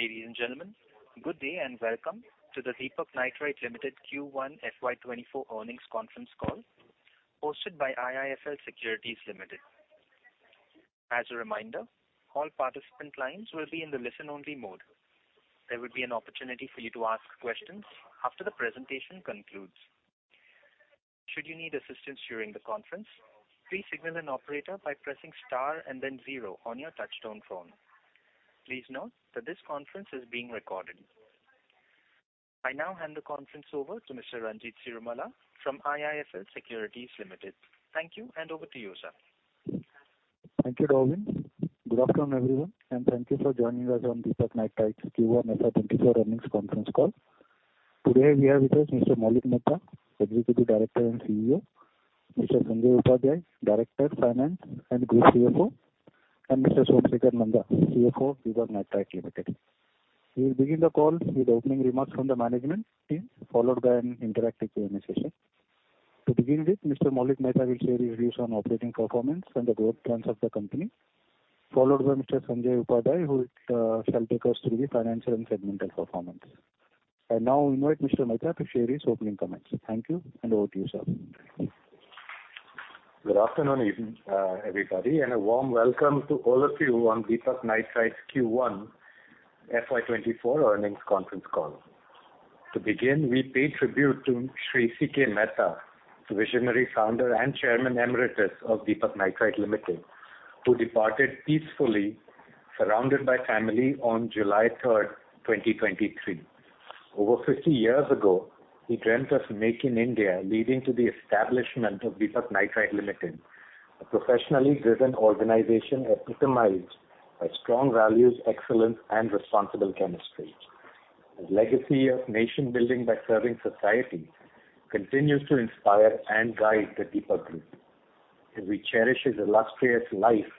Ladies and gentlemen, good day and welcome to the Deepak Nitrite Limited Q1 FY24 Earnings Conference Call, hosted by IIFL Securities Limited. As a reminder, all participant lines will be in the listen-only mode. There will be an opportunity for you to ask questions after the presentation concludes. Should you need assistance during the conference, please signal an operator by pressing star and then zero on your touchtone phone. Please note that this conference is being recorded. I now hand the conference over to Mr. Ranjit Chirumalla from IIFL Securities Limited. Thank you. Over to you, sir. Thank you, Darwin. Good afternoon, everyone, and thank you for joining us on Deepak Nitrite Q1 FY24 Earnings Conference Call. Today, we have with us Mr. Maulik Mehta, Executive Director and CEO, Mr. Sanjay Upadhyay, Director, Finance, and Group CFO, and Mr. Somsekhar Nanda, CFO, Deepak Nitrite Limited. We will begin the call with opening remarks from the management team, followed by an interactive Q&A session. To begin with, Mr. Maulik Mehta will share his views on operating performance and the growth plans of the company, followed by Mr. Sanjay Upadhyay, who shall take us through the financial and segmental performance. I now invite Mr. Mehta to share his opening comments. Thank you, and over to you, sir. Good afternoon, everybody, and a warm welcome to all of you on Deepak Nitrite's Q1 FY24 Earnings Conference Call. To begin, we pay tribute to Sri C.K. Mehta, the visionary Founder and Chairman Emeritus of Deepak Nitrite Limited, who departed peacefully, surrounded by family, on July 3, 2023. Over 50 years ago, he dreamt of Make in India, leading to the establishment of Deepak Nitrite Limited, a professionally driven organization epitomized by strong values, excellence and responsible chemistry. His legacy of nation-building by serving society continues to inspire and guide the Deepak Group, and we cherish his illustrious life,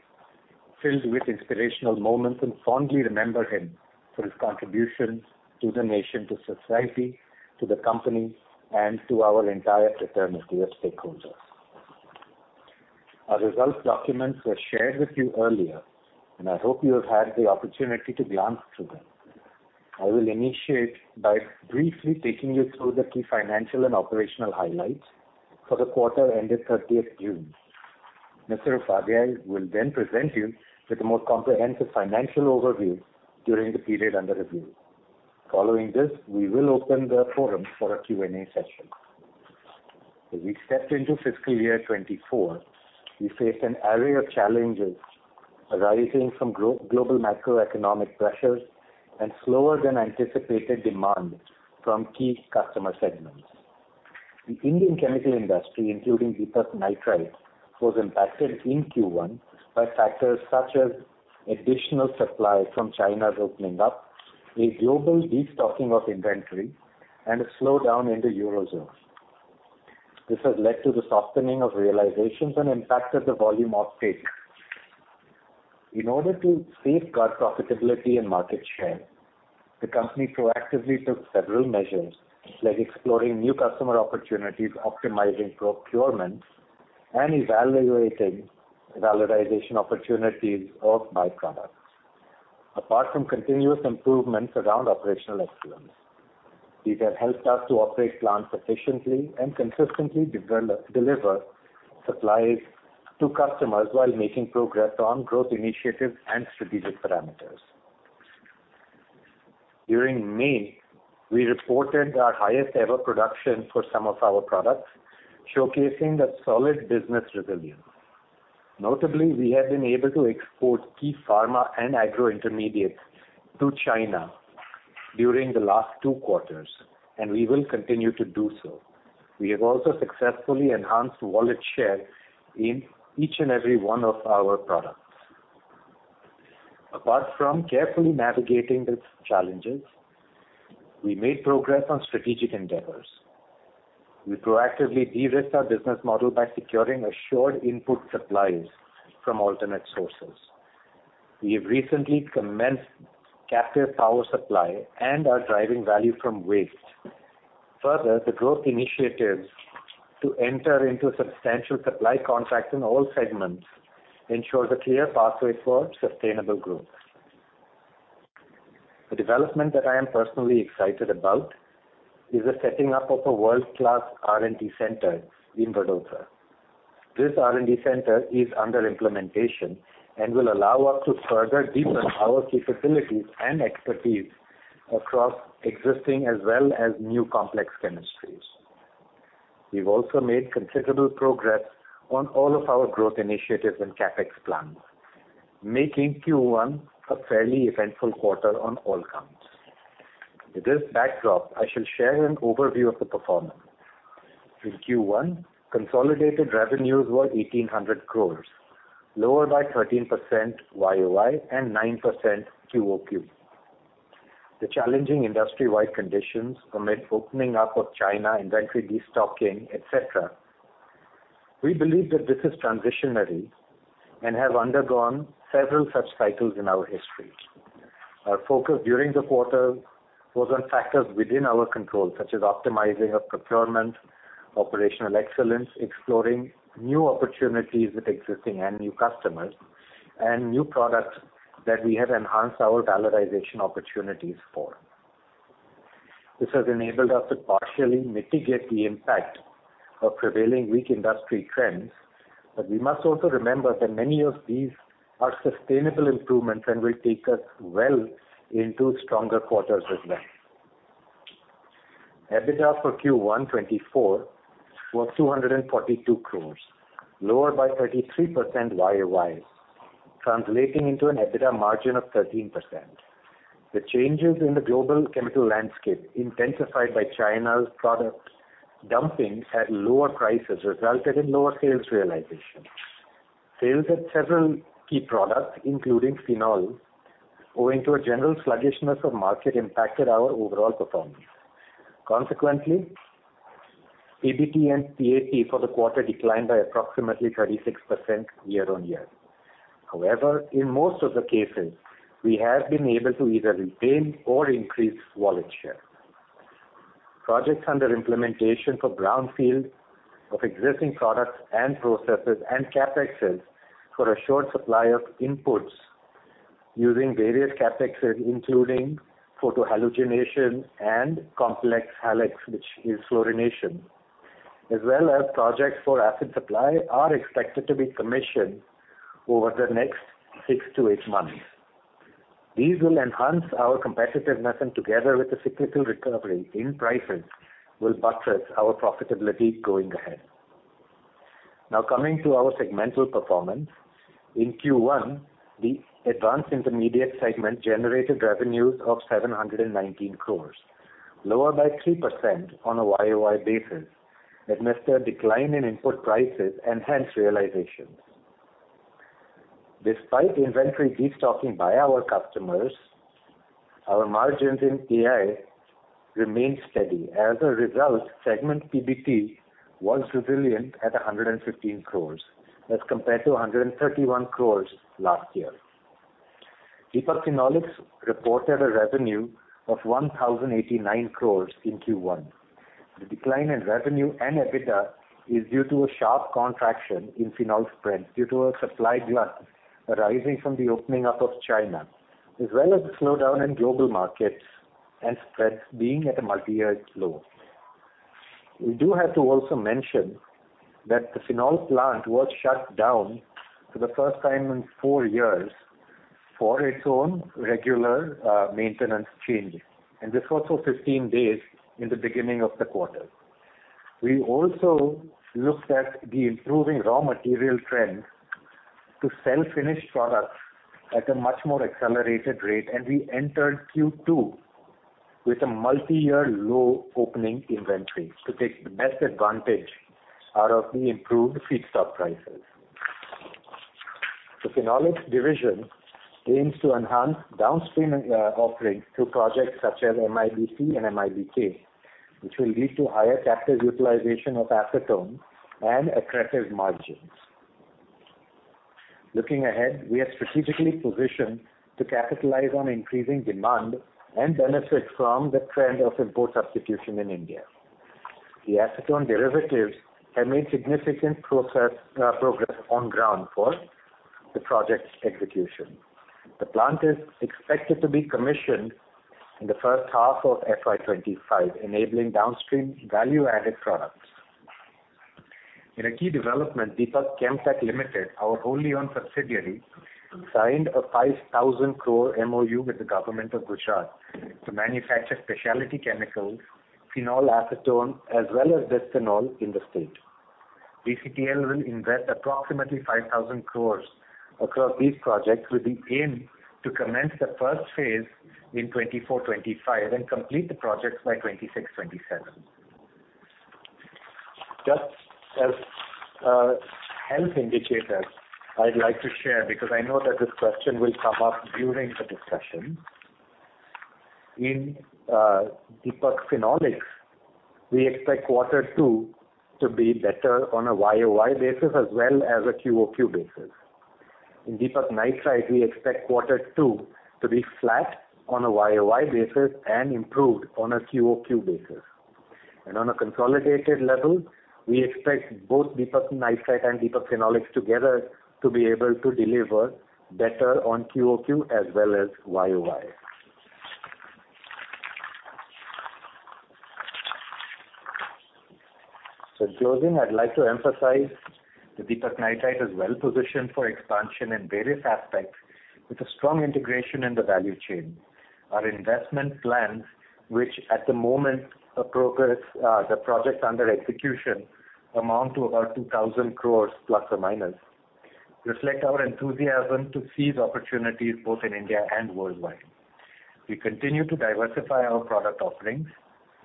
filled with inspirational moments, and fondly remember him for his contributions to the nation, to society, to the company, and to our entire fraternity of stakeholders. Our results documents were shared with you earlier, and I hope you have had the opportunity to glance through them. I will initiate by briefly taking you through the key financial and operational highlights for the quarter ended 30th June. Mr. Upadhyay will then present you with a more comprehensive financial overview during the period under review. Following this, we will open the forum for a Q&A session. As we stepped into fiscal year 2024, we faced an array of challenges arising from global macroeconomic pressures and slower than anticipated demand from key customer segments. The Indian chemical industry, including Deepak Nitrite, was impacted in Q1 by factors such as additional supply from China's opening up, a global destocking of inventory, and a slowdown in the Eurozone. This has led to the softening of realizations and impacted the volume offtake. In order to safeguard profitability and market share, the company proactively took several measures, like exploring new customer opportunities, optimizing procurements, and evaluating valorization opportunities of byproducts. Apart from continuous improvements around operational excellence, these have helped us to operate plants efficiently and consistently deliver supplies to customers while making progress on growth initiatives and strategic parameters. During May, we reported our highest ever production for some of our products, showcasing the solid business resilience. Notably, we have been able to export key pharma and agro intermediates to China during the last two quarters. We will continue to do so. We have also successfully enhanced wallet share in each and every one of our products. Apart from carefully navigating these challenges, we made progress on strategic endeavors. We proactively de-risked our business model by securing assured input supplies from alternate sources. We have recently commenced captive power supply and are driving value from waste. The growth initiatives to enter into substantial supply contracts in all segments ensure the clear pathway for sustainable growth. The development that I am personally excited about is the setting up of a world-class R&D center in Vadodara. This R&D center is under implementation and will allow us to further deepen our key facilities and expertise across existing as well as new complex chemistries. We've also made considerable progress on all of our growth initiatives and CapEx plans, making Q1 a fairly eventful quarter on all counts. With this backdrop, I shall share an overview of the performance. In Q1, consolidated revenues were 1,800 crore, lower by 13% YOY and 9% QOQ. The challenging industry-wide conditions permit opening up of China, inventory destocking, et cetera. We believe that this is transitionary and have undergone several such cycles in our history. Our focus during the quarter was on factors within our control, such as optimizing of procurement, operational excellence, exploring new opportunities with existing and new customers, and new products that we have enhanced our valorization opportunities for. This has enabled us to partially mitigate the impact of prevailing weak industry trends. We must also remember that many of these are sustainable improvements and will take us well into stronger quarters with them. EBITDA for Q1 '24 was 242 crore, lower by 33% YoY, translating into an EBITDA margin of 13%. The changes in the global chemical landscape, intensified by China's product dumping at lower prices, resulted in lower sales realization. Sales at several key products, including phenol, owing to a general sluggishness of market, impacted our overall performance. Consequently, PBT and PAT for the quarter declined by approximately 36% year-on-year. However, in most of the cases, we have been able to either retain or increase wallet share. Projects under implementation for brownfield of existing products and processes and CapExes for a short supply of inputs using various CapEx, including photo-halogenation and complex HALex, which is fluorination, as well as projects for acid supply, are expected to be commissioned over the next six to eight months. These will enhance our competitiveness, and together with the cyclical recovery in prices, will buttress our profitability going ahead. Now, coming to our segmental performance. In Q1, the Advanced Intermediates segment generated revenues of ₹719 crore, lower by 3% on a YoY basis, amidst a decline in input prices and hence, realizations. Despite inventory destocking by our customers, our margins in AI remained steady. As a result, segment PBT was resilient at 115 crore, as compared to 131 crore last year. Deepak Phenolics reported a revenue of 1,089 crore in Q1. The decline in revenue and EBITDA is due to a sharp contraction in phenol spreads due to a supply glut arising from the opening up of China, as well as the slowdown in global markets and spreads being at a multi-year low. We do have to also mention that the phenol plant was shut down for the first time in four years for its own regular maintenance changes, and this was for 15 days in the beginning of the quarter. We also looked at the improving raw material trends to sell finished products at a much more accelerated rate. We entered Q2 with a multi-year low opening inventory to take the best advantage out of the improved feedstock prices. The Phenolics division aims to enhance downstream offerings through projects such as MIBC and MIBK, which will lead to higher capital utilization of acetone and attractive margins. Looking ahead, we are strategically positioned to capitalize on increasing demand and benefit from the trend of import substitution in India. The acetone derivatives have made significant process progress on ground for the project's execution. The plant is expected to be commissioned in the first half of FY25, enabling downstream value-added products. In a key development, Deepak Chemtech Limited, our wholly-owned subsidiary, signed a ₹5,000 crore MoU with the Government of Gujarat to manufacture specialty chemicals, phenol acetone, as well as bisphenol in the state. DCTL will invest approximately ₹5,000 crore across these projects, with the aim to commence the first phase in FY24-25, and complete the projects by FY26-27. Just as health indicators, I'd like to share, because I know that this question will come up during the discussion. In Deepak Phenolics, we expect Q2 to be better on a YoY basis, as well as a QoQ basis. In Deepak Nitrite, we expect Q2 to be flat on a YoY basis and improved on a QoQ basis. On a consolidated level, we expect both Deepak Nitrite and Deepak Phenolics together to be able to deliver better on QoQ as well as YoY. In closing, I'd like to emphasize that Deepak Nitrite is well positioned for expansion in various aspects, with a strong integration in the value chain. Our investment plans, which at the moment progress, the projects under execution, amount to about 2,000 crore ±, reflect our enthusiasm to seize opportunities both in India and worldwide. We continue to diversify our product offerings,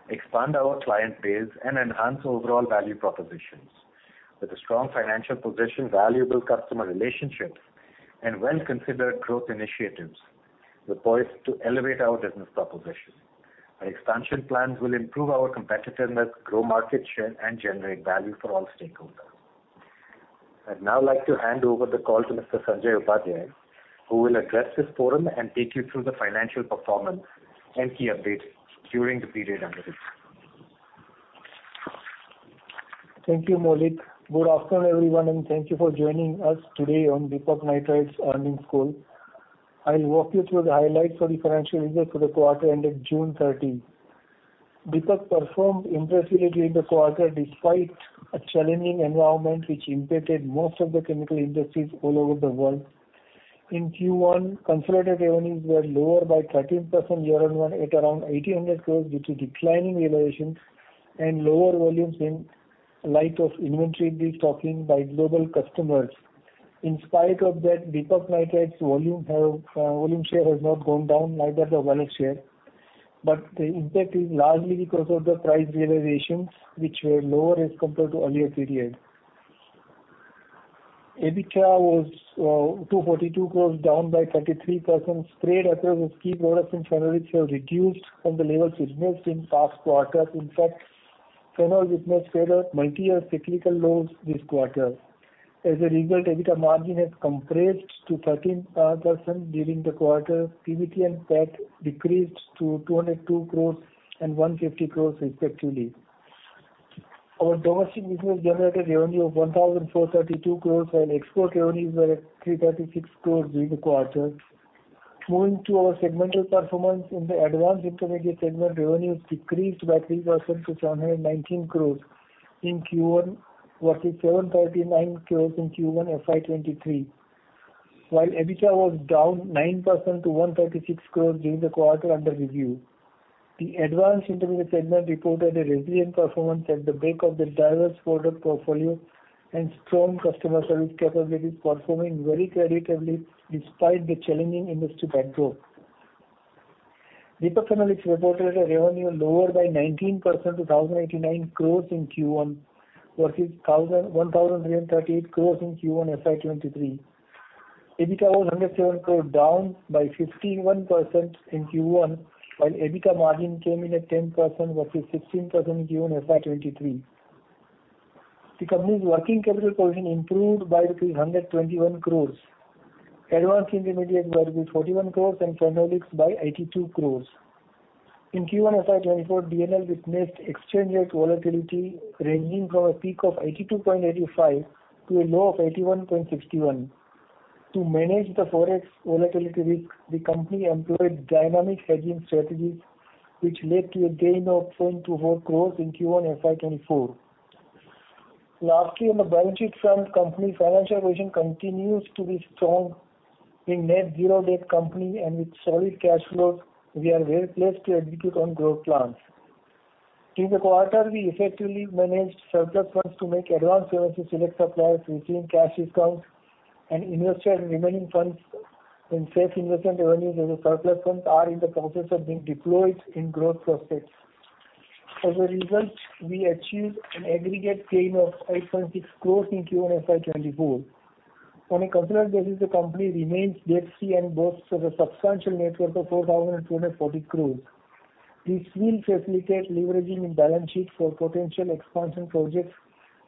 expand our client base, and enhance overall value propositions. With a strong financial position, valuable customer relationships, and well-considered growth initiatives, we're poised to elevate our business proposition. Our expansion plans will improve our competitiveness, grow market share, and generate value for all stakeholders. I'd now like to hand over the call to Mr. Sanjay Upadhyay, who will address this forum and take you through the financial performance and key updates during the period under review. Thank you, Maulik. Good afternoon, everyone, and thank you for joining us today on Deepak Nitrite's earnings call. I'll walk you through the highlights for the financial year for the quarter ended June 30. Deepak performed impressively in the quarter, despite a challenging environment, which impacted most of the chemical industries all over the world. In Q1, consolidated revenues were lower by 13% year-on-year at around 1,800 crore, due to declining realization and lower volumes in light of inventory destocking by global customers. In spite of that, Deepak Nitrite's volume have volume share has not gone down, neither the volume share, but the impact is largely because of the price realizations, which were lower as compared to earlier periods. EBITDA was 242 crore, down by 33%. Trade across its key products and Phenolics have reduced from the levels witnessed in past quarters. In fact, phenols witnessed further multi-year cyclical lows this quarter. As a result, EBITDA margin has compressed to 13% during the quarter. PBT and PAT decreased to 202 crore and 150 crore respectively. Our domestic business generated revenue of 1,432 crore, while export revenues were at 336 crore during the quarter. Moving to our segmental performance. In the Advanced Intermediates segment, revenues decreased by 3% to 719 crore in Q1, versus 739 crore in Q1 FY23. While EBITDA was down 9% to 136 crore during the quarter under review. The Advanced Intermediates segment reported a resilient performance at the back of the diverse product portfolio and strong customer service capabilities, performing very creditably despite the challenging industry backdrop. Deepak Phenolics reported a revenue lower by 19% to 1,089 crore in Q1, versus 1,338 crore in Q1 FY23. EBITDA was 107 crore, down by 51% in Q1, while EBITDA margin came in at 10% versus 16% in Q1 FY23. The company's working capital position improved by ₹121 crore. Advanced Intermediates by ₹41 crore and Phenolics by ₹82 crore. In Q1 FY24, DNL witnessed exchange rate volatility, ranging from a peak of 82.85 to a low of 81.61. To manage the Forex volatility risk, the company employed dynamic hedging strategies, which led to a gain of ₹10.24 crore in Q1 FY24. Lastly, on the balance sheet front, company financial position continues to be strong in net zero-debt company, with solid cash flows, we are well-placed to execute on growth plans. In the quarter, we effectively managed surplus funds to make advance payments to select suppliers, receiving cash discounts and invested remaining funds in safe investment avenues, as the surplus funds are in the process of being deployed in growth prospects. As a result, we achieved an aggregate gain of 8.6 crore in Q1 FY24. On a considered basis, the company remains debt-free and boasts of a networth of 4,240 crore. This will facilitate leveraging in balance sheet for potential expansion projects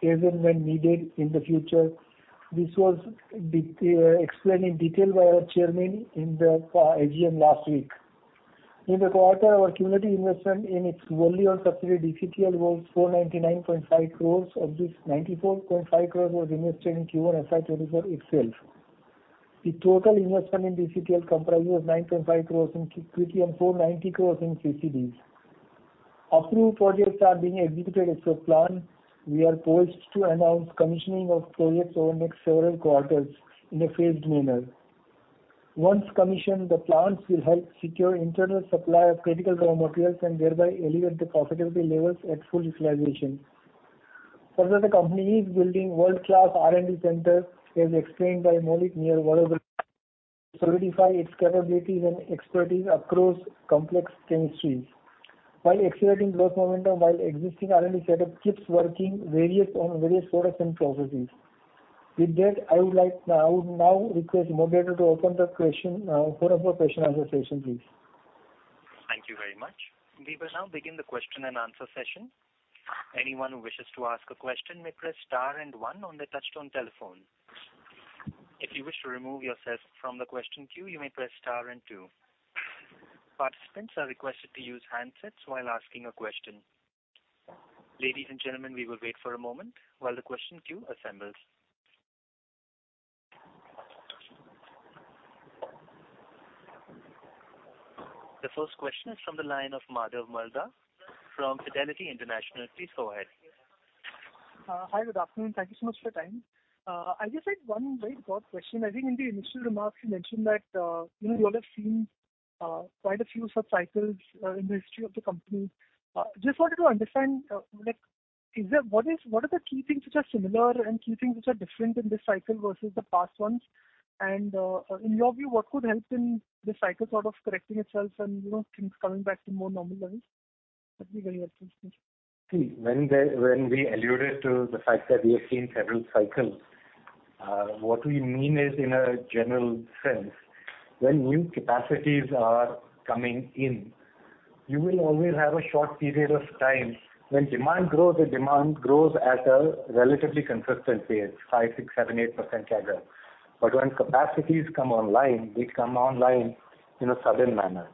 as and when needed in the future. This was explained in detail by our chairman in the AGM last week. In the quarter, our cumulative investment in its wholly-owned subsidiary, DCTL, was 499.5 crore. Of this, 94.5 crore was invested in Q1 FY24 itself. The total investment in DCTL comprises of 9.5 crore in equity and 490 crore in CCDs. Our three projects are being executed as per plan. We are poised to announce commissioning of projects over the next several quarters in a phased manner. Once commissioned, the plants will help secure internal supply of critical raw materials and thereby elevate the profitability levels at full utilization. Further, the company is building world-class R&D centers, as explained by Maulik, near Vadodara, to solidify its capabilities and expertise across complex chemistries, while accelerating growth momentum, while existing R&D setup keeps working on various products and processes. With that, I would now request moderator to open the question for our question and answer session, please. Thank you very much. We will now begin the question and answer session. Anyone who wishes to ask a question may press star one on the touchtone telephone. If you wish to remove yourself from the question queue, you may press star two. Participants are requested to use handsets while asking a question. Ladies and gentlemen, we will wait for a moment while the question queue assembles. The first question is from the line of Madhav Marda from Fidelity International. Please go ahead. Hi, good afternoon. Thank you so much for your time. I just had one very broad question. I think in the initial remarks, you mentioned that, you know, you all have seen quite a few such cycles in the history of the company. Just wanted to understand, like, is there what is what are the key things which are similar and key things which are different in this cycle versus the past ones? And, in your view, what could help in this cycle sort of correcting itself and, you know, things coming back to more normalized levels? That'd be very helpful, thank you. See, when when we alluded to the fact that we have seen several cycles, what we mean is in a general sense, when new capacities are coming, you will always have a short period of time. When demand grows, the demand grows at a relatively consistent pace, 5%, 6%, 7%, 8% CAGR. When capacities come online, they come online in a sudden manner.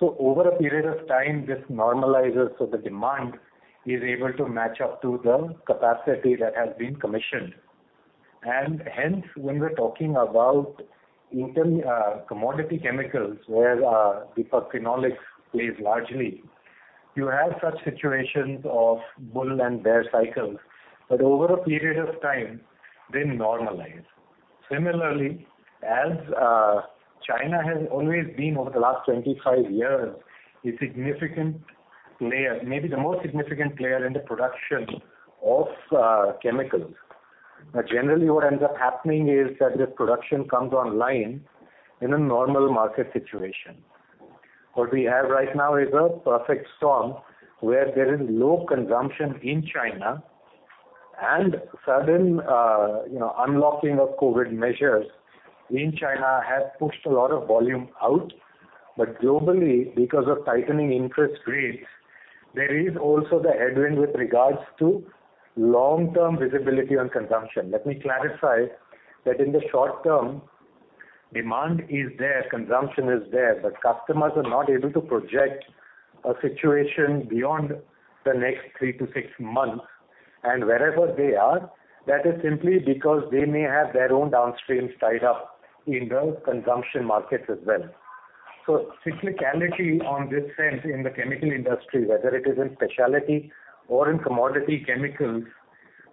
Over a period of time, this normalizes, so the demand is able to match up to the capacity that has been commissioned. Hence, when we're talking about commodity chemicals, where Deepak Phenolics plays largely, you have such situations of bull and bear cycles, but over a period of time, they normalize. Similarly, as China has always been over the last 25 years, a significant player, maybe the most significant player in the production of chemicals. Now, generally, what ends up happening is that the production comes online in a normal market situation. What we have right now is a perfect storm, where there is low consumption in China, and sudden, you know, unlocking of COVID measures in China has pushed a lot of volume out. Globally, because of tightening interest rates, there is also the headwind with regards to long-term visibility on consumption. Let me clarify that in the short term, demand is there, consumption is there, but customers are not able to project a situation beyond the next three to six months. Wherever they are, that is simply because they may have their own downstreams tied up in the consumption markets as well. Cyclicality on this sense in the chemical industry, whether it is in specialty or in commodity chemicals,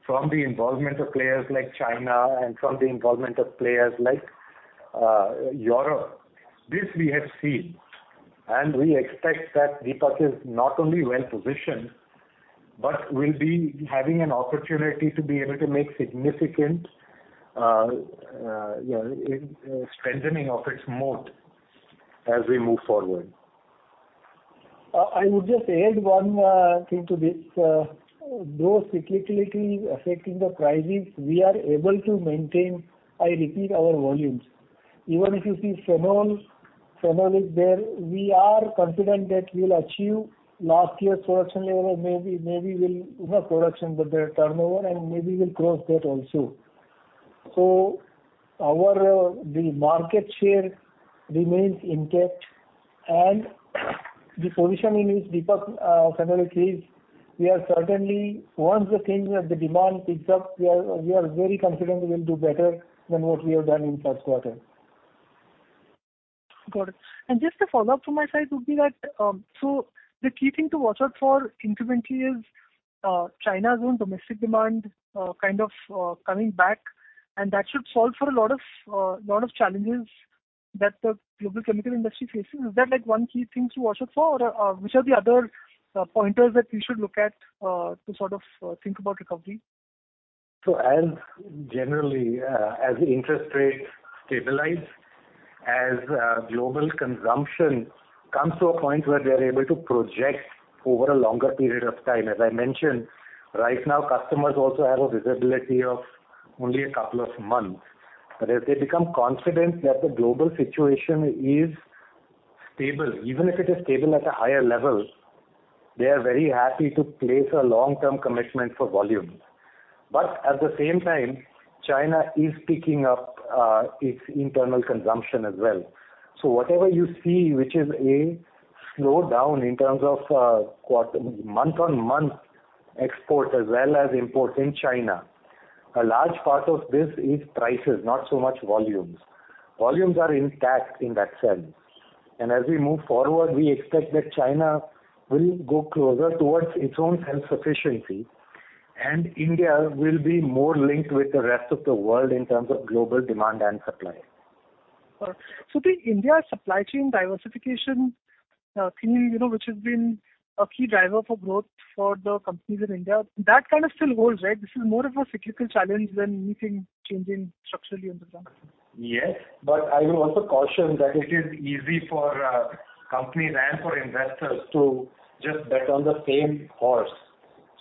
from the involvement of players like China and from the involvement of players like Europe, this we have seen, and we expect that Deepak is not only well-positioned, but will be having an opportunity to be able to make significant, you know, strengthening of its moat as we move forward. I would just add one thing to this. Though cyclicality is affecting the prices, we are able to maintain, I repeat, our volumes. Even if you see Phenol, Phenol is there, we are confident that we will achieve last year's production level, maybe, maybe we'll. Not production, but the turnover, and maybe we'll cross that also. Our the market share remains intact, and the position in which Deepak Phenolics is, we are certainly, once the things, as the demand picks up, we are, we are very confident we will do better than what we have done in first quarter. Got it. Just a follow-up from my side would be that, so the key thing to watch out for incrementally is China's own domestic demand, kind of, coming back, and that should solve for a lot of, lot of challenges that the global chemical industry faces. Is that, like, one key thing to watch out for, or, which are the other pointers that we should look at, to sort of, think about recovery? Generally, as interest rates stabilize, as global consumption comes to a point where we are able to project over a longer period of time. As I mentioned, right now, customers also have a visibility of only a couple of months. As they become confident that the global situation is stable, even if it is stable at a higher level, they are very happy to place a long-term commitment for volume. At the same time, China is picking up its internal consumption as well. Whatever you see, which is a slowdown in terms of quarter- month-on-month exports as well as imports in China, a large part of this is prices, not so much volumes. Volumes are intact in that sense. As we move forward, we expect that China will go closer towards its own self-sufficiency, and India will be more linked with the rest of the world in terms of global demand and supply. The India supply chain diversification, thing, you know, which has been a key driver for growth for the companies in India, that kind of still holds, right? This is more of a cyclical challenge than anything changing structurally in the long term. Yes, I will also caution that it is easy for companies and for investors to just bet on the same horse.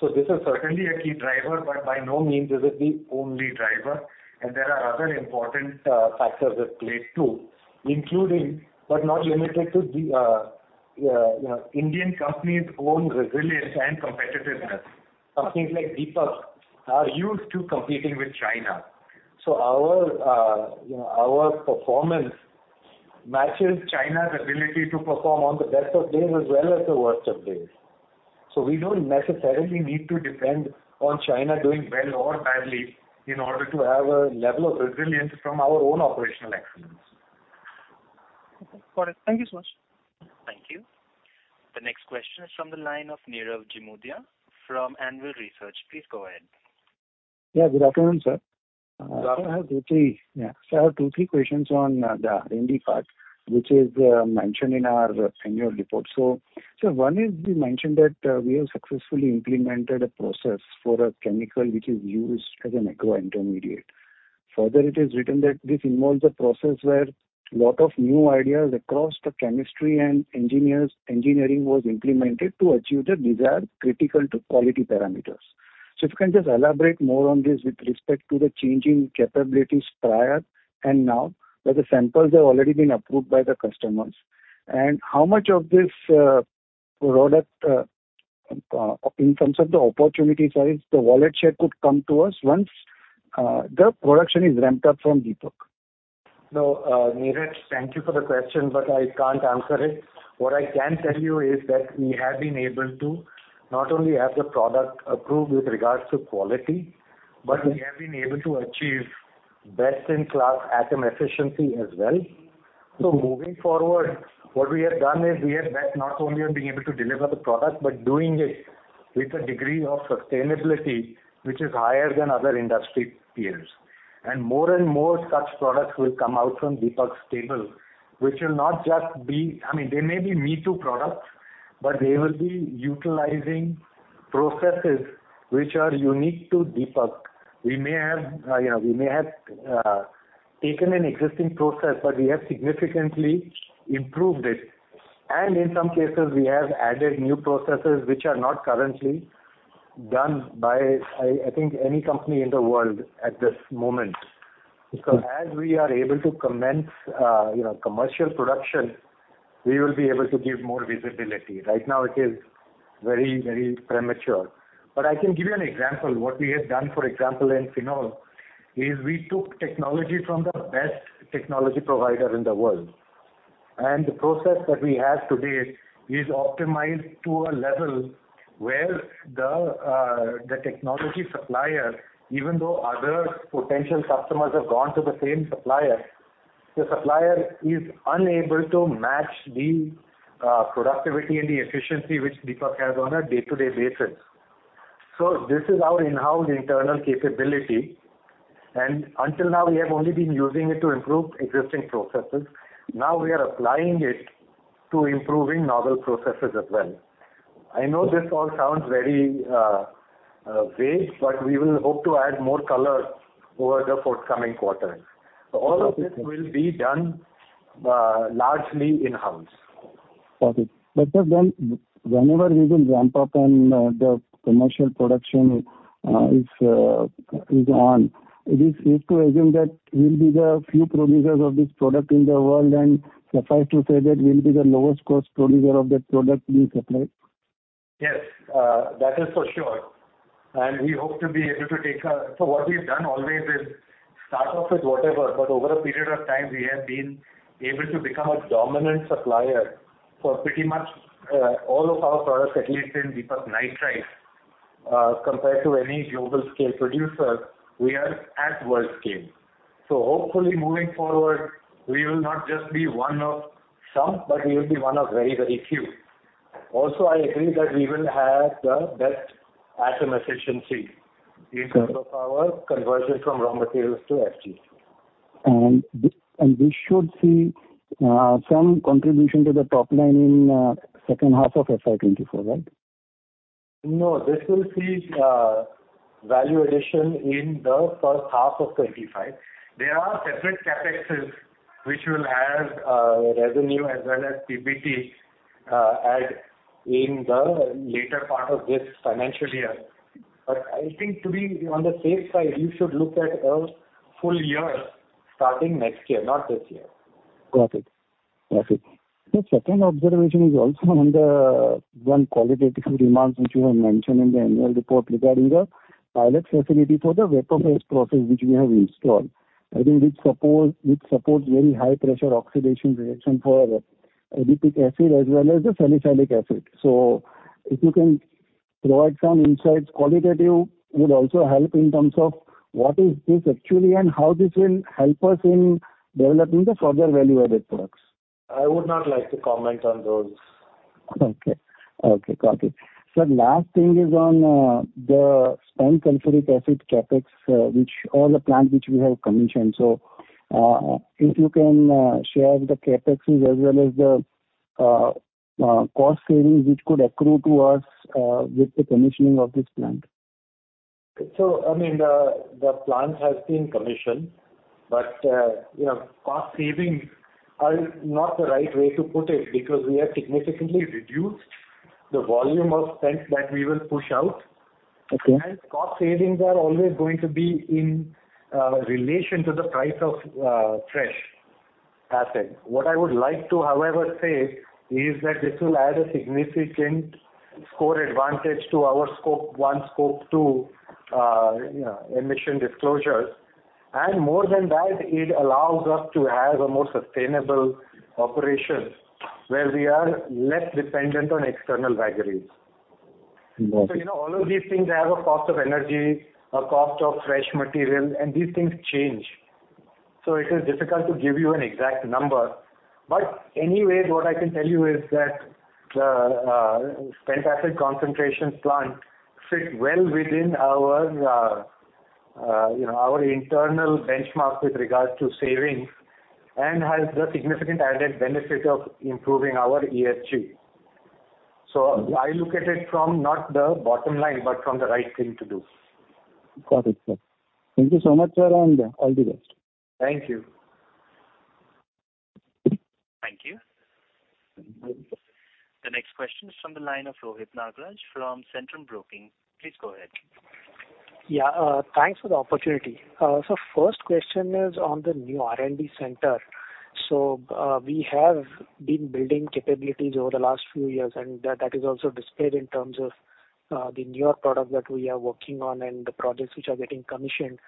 This is certainly a key driver, but by no means is it the only driver. There are other important factors at play, too, including, but not limited to the Indian companies' own resilience and competitiveness. Companies like Deepak are used to competing with China. Our, you know, our performance matches China's ability to perform on the best of days as well as the worst of days. We don't necessarily need to depend on China doing well or badly in order to have a level of resilience from our own operational excellence. Okay, got it. Thank you so much. Thank you. The next question is from the line of Nirav Jimudia from Anvil Research. Please go ahead. Yeah, good afternoon, sir. Good afternoon. I have two, three questions on the R&D part, which is mentioned in our annual report. One is, you mentioned that we have successfully implemented a process for a chemical which is used as an agro-intermediate. Further, it is written that this involves a process where lot of new ideas across the chemistry and engineering was implemented to achieve the desired critical to quality parameters. If you can just elaborate more on this with respect to the changing capabilities prior and now, that the samples have already been approved by the customers. How much of this product, in terms of the opportunity size, the wallet share could come to us once the production is ramped up from Deepak? No, Nirav, thank you for the question, but I can't answer it. What I can tell you is that we have been able to not only have the product approved with regards to quality, but we have been able to achieve best-in-class atom efficiency as well. Moving forward, what we have done is, we have bet not only on being able to deliver the product, but doing it with a degree of sustainability, which is higher than other industry peers. More and more such products will come out from Deepak's stable, which will not just be, I mean, they may be me-too products, but they will be utilizing processes which are unique to Deepak. We may have, you know, we may have taken an existing process, but we have significantly improved it. In some cases, we have added new processes which are not currently done by, I think, any company in the world at this moment. As we are able to commence, you know, commercial production, we will be able to give more visibility. Right now, it is very, very premature. I can give you an example. What we have done, for example, in Phenol, is we took technology from the best technology provider in the world, and the process that we have today is optimized to a level where the, the technology supplier, even though other potential customers have gone to the same supplier, the supplier is unable to match the productivity and the efficiency which Deepak has on a day-to-day basis. This is our in-house internal capability, and until now, we have only been using it to improve existing processes. Now, we are applying it to improving novel processes as well. I know this all sounds very vague, but we will hope to add more color over the forthcoming quarters. All of this will be done largely in-house. Got it. Sir, whenever we will ramp up and the commercial production is on, is it safe to assume that we'll be the few producers of this product in the world, and suffice to say that we'll be the lowest cost producer of that product being supplied? Yes, that is for sure, and we hope to be able to take. So what we've done always is start off with whatever, but over a period of time, we have been able to become a dominant supplier for pretty much all of our products, at least in Deepak Nitrite. Compared to any global scale producer, we are at world scale. So hopefully, moving forward, we will not just be one of some, but we will be one of very, very few. Also, I agree that we will have the best atom efficiency in terms of our conversion from raw materials to FG. We should see some contribution to the top line in second half of FY24, right? No, this will see value addition in the first half of 2025. There are separate CapExes, which will add revenue as well as PBT, add in the later part of this financial year. I think to be on the safe side, you should look at a full year starting next year, not this year. Got it. Got it. The second observation is also on the, one, qualitative demands, which you have mentioned in the annual report regarding the pilot facility for the vapour phase process, which we have installed. I think it supports, it supports very high pressure oxidation reaction for adipic acid as well as the salicylic acid. If you can provide some insights, qualitative would also help in terms of what is this actually and how this will help us in developing the further value-added products. I would not like to comment on those. Okay. Okay, got it. Sir, last thing is on, the spent sulfuric acid CapEx, which all the plants which we have commissioned. If you can, share the CapEx as well as the cost savings which could accrue to us with the commissioning of this plant. I mean, the, the plant has been commissioned, but, you know, cost savings are not the right way to put it, because we have significantly reduced the volume of spend that we will push out. Okay. Cost savings are always going to be in relation to the price of fresh acid. What I would like to, however, say is that this will add a significant score advantage to our scope 1, scope 2, you know, emission disclosures. More than that, it allows us to have a more sustainable operation, where we are less dependent on external vagaries. Got it. You know, all of these things have a cost of energy, a cost of fresh material, and these things change. It is difficult to give you an exact number. But anyways, what I can tell you is that the spent acid concentration plant fit well within our, you know, our internal benchmark with regards to savings, and has the significant added benefit of improving our ESG. I look at it from not the bottom line, but from the right thing to do. Got it, sir. Thank you so much, sir, and all the best. Thank you. The next question is from the line of Rohit Nagraj from Centrum Broking. Please go ahead. Yeah, thanks for the opportunity. First question is on the new R&D center. We have been building capabilities over the last few years, and that is also displayed in terms of the newer products that we are working on and the projects which are getting commissioned.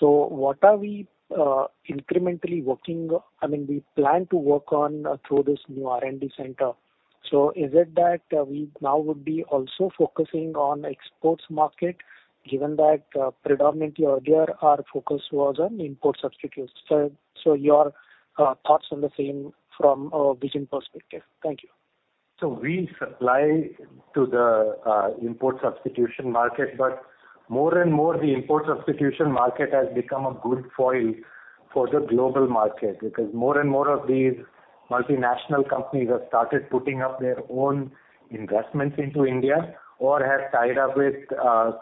What are we incrementally working, I mean, we plan to work on through this new R&D center. Is it that we now would be also focusing on exports market, given that predominantly earlier, our focus was on import substitutes? Your thoughts on the same from a vision perspective. Thank you. We supply to the import substitution market, but more and more, the import substitution market has become a good foil for the global market, because more and more of these multinational companies have started putting up their own investments into India or have tied up with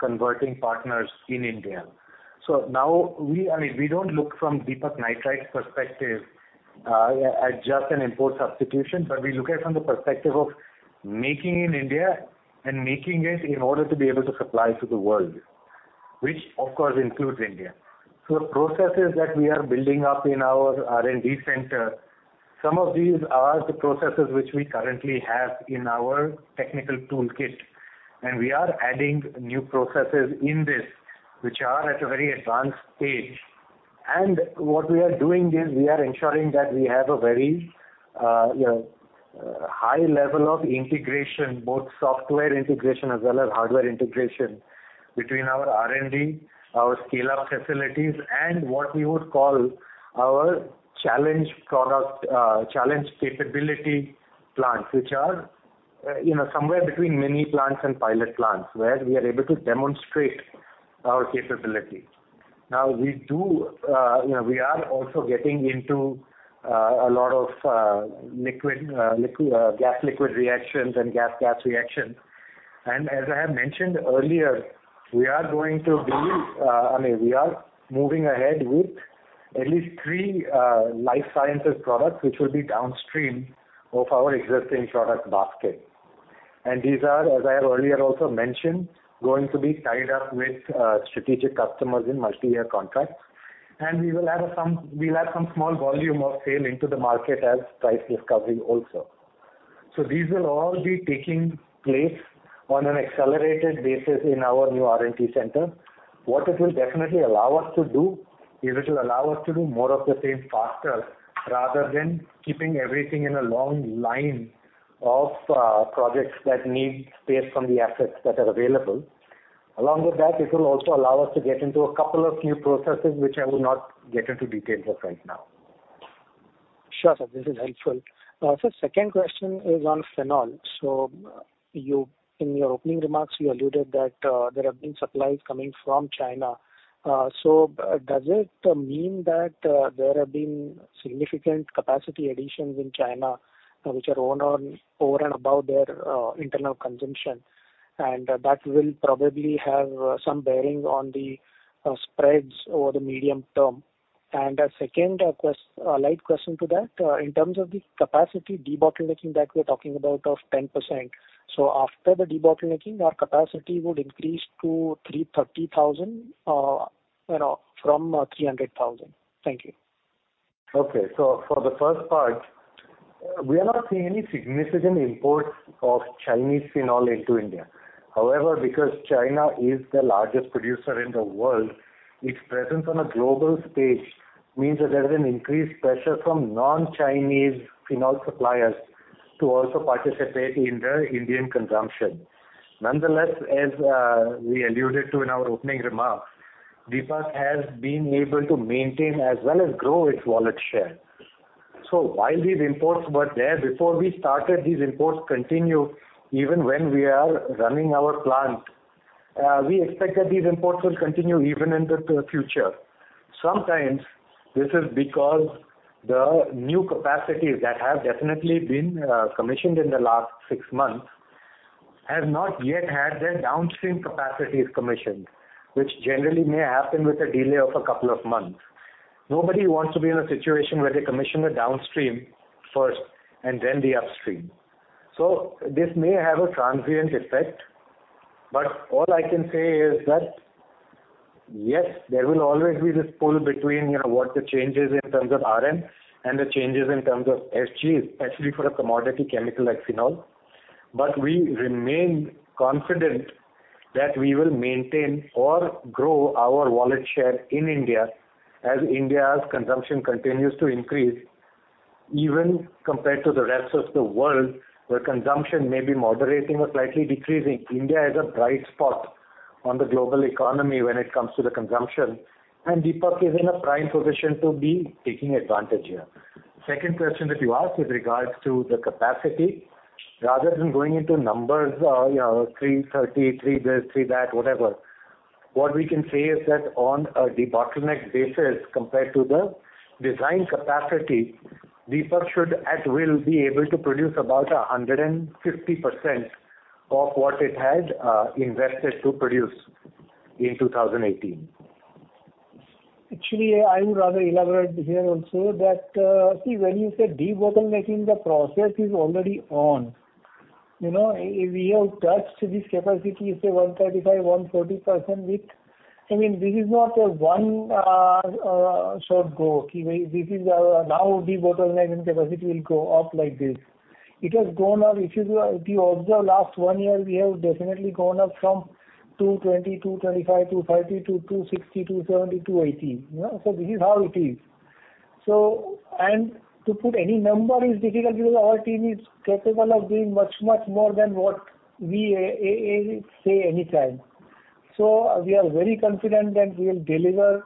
converting partners in India. Now, we, I mean, we don't look from Deepak Nitrite's perspective as just an import substitution, but we look at it from the perspective of Make in India and making it in order to be able to supply to the world, which of course, includes India. The processes that we are building up in our R&D center, some of these are the processes which we currently have in our technical toolkit, and we are adding new processes in this, which are at a very advanced stage. What we are doing is, we are ensuring that we have a very, you know, high level of integration, both software integration as well as hardware integration, between our R&D, our scale-up facilities, and what we would call our challenge product, challenge capability plants, which are, you know, somewhere between mini plants and pilot plants, where we are able to demonstrate our capability. Now, we do, we are also getting into a lot of liquid, liquid, gas, liquid reactions and gas-gas reactions. As I have mentioned earlier, we are going to be, I mean, we are moving ahead with at least three life sciences products, which will be downstream of our existing product basket. These are, as I have earlier also mentioned, going to be tied up with strategic customers in multi-year contracts, and we will have some, we'll have some small volume of sale into the market as price discovery also. These will all be taking place on an accelerated basis in our new R&D center. What it will definitely allow us to do, is it will allow us to do more of the same faster, rather than keeping everything in a long line of projects that need space from the assets that are available. Along with that, it will also allow us to get into a couple of new processes, which I will not get into details of right now. Sure, sir, this is helpful. Second question is on phenol. You, in your opening remarks, you alluded that, there have been supplies coming from China. Does it mean that, there have been significant capacity additions in China, which are on, on, over and above their, internal consumption, and that will probably have some bearing on the, spreads over the medium term? A second quest- light question to that, in terms of the capacity debottlenecking that we're talking about of 10%, so after the debottlenecking, our capacity would increase to 330,000, you know, from, 300,000? Thank you. Okay. For the first part, we are not seeing any significant imports of Chinese phenol into India. However, because China is the largest producer in the world, its presence on a global stage means that there is an increased pressure from non-Chinese phenol suppliers to also participate in the Indian consumption. Nonetheless, as we alluded to in our opening remarks, Deepak has been able to maintain as well as grow its wallet share. While these imports were there before we started, these imports continue even when we are running our plant. We expect that these imports will continue even into the future. Sometimes this is because the new capacities that have definitely been commissioned in the last six months, have not yet had their downstream capacities commissioned, which generally may happen with a delay of a couple of months. Nobody wants to be in a situation where they commission the downstream first and then the upstream. This may have a transient effect, but all I can say is that, yes, there will always be this pull between, you know, what the change is in terms of RM and the changes in terms of FG, especially for a commodity chemical like phenol. We remain confident that we will maintain or grow our wallet share in India, as India's consumption continues to increase. Even compared to the rest of the world, where consumption may be moderating or slightly decreasing, India is a bright spot on the global economy when it comes to the consumption, and Deepak is in a prime position to be taking advantage here. Second question that you asked with regards to the capacity, rather than going into numbers, or, you know, three thirty, three this, three that, whatever, what we can say is that on a bottleneck basis, compared to the design capacity, Deepak should, at will, be able to produce about 150% of what it had invested to produce in 2018. Actually, I would rather elaborate here also that, see, when you say debottlenecking, the process is already on. You know, we have touched this capacity, say, 135%, 140% width. I mean, this is not a one short go, this is now, debottlenecking capacity will go up like this. It has gone up. If you, if you observe last one year, we have definitely gone up from 220, 225, 250 to 260, 270, 280. You know, so this is how it is. To put any number is difficult because our team is capable of doing much, much more than what we say anytime. We are very confident that we will deliver,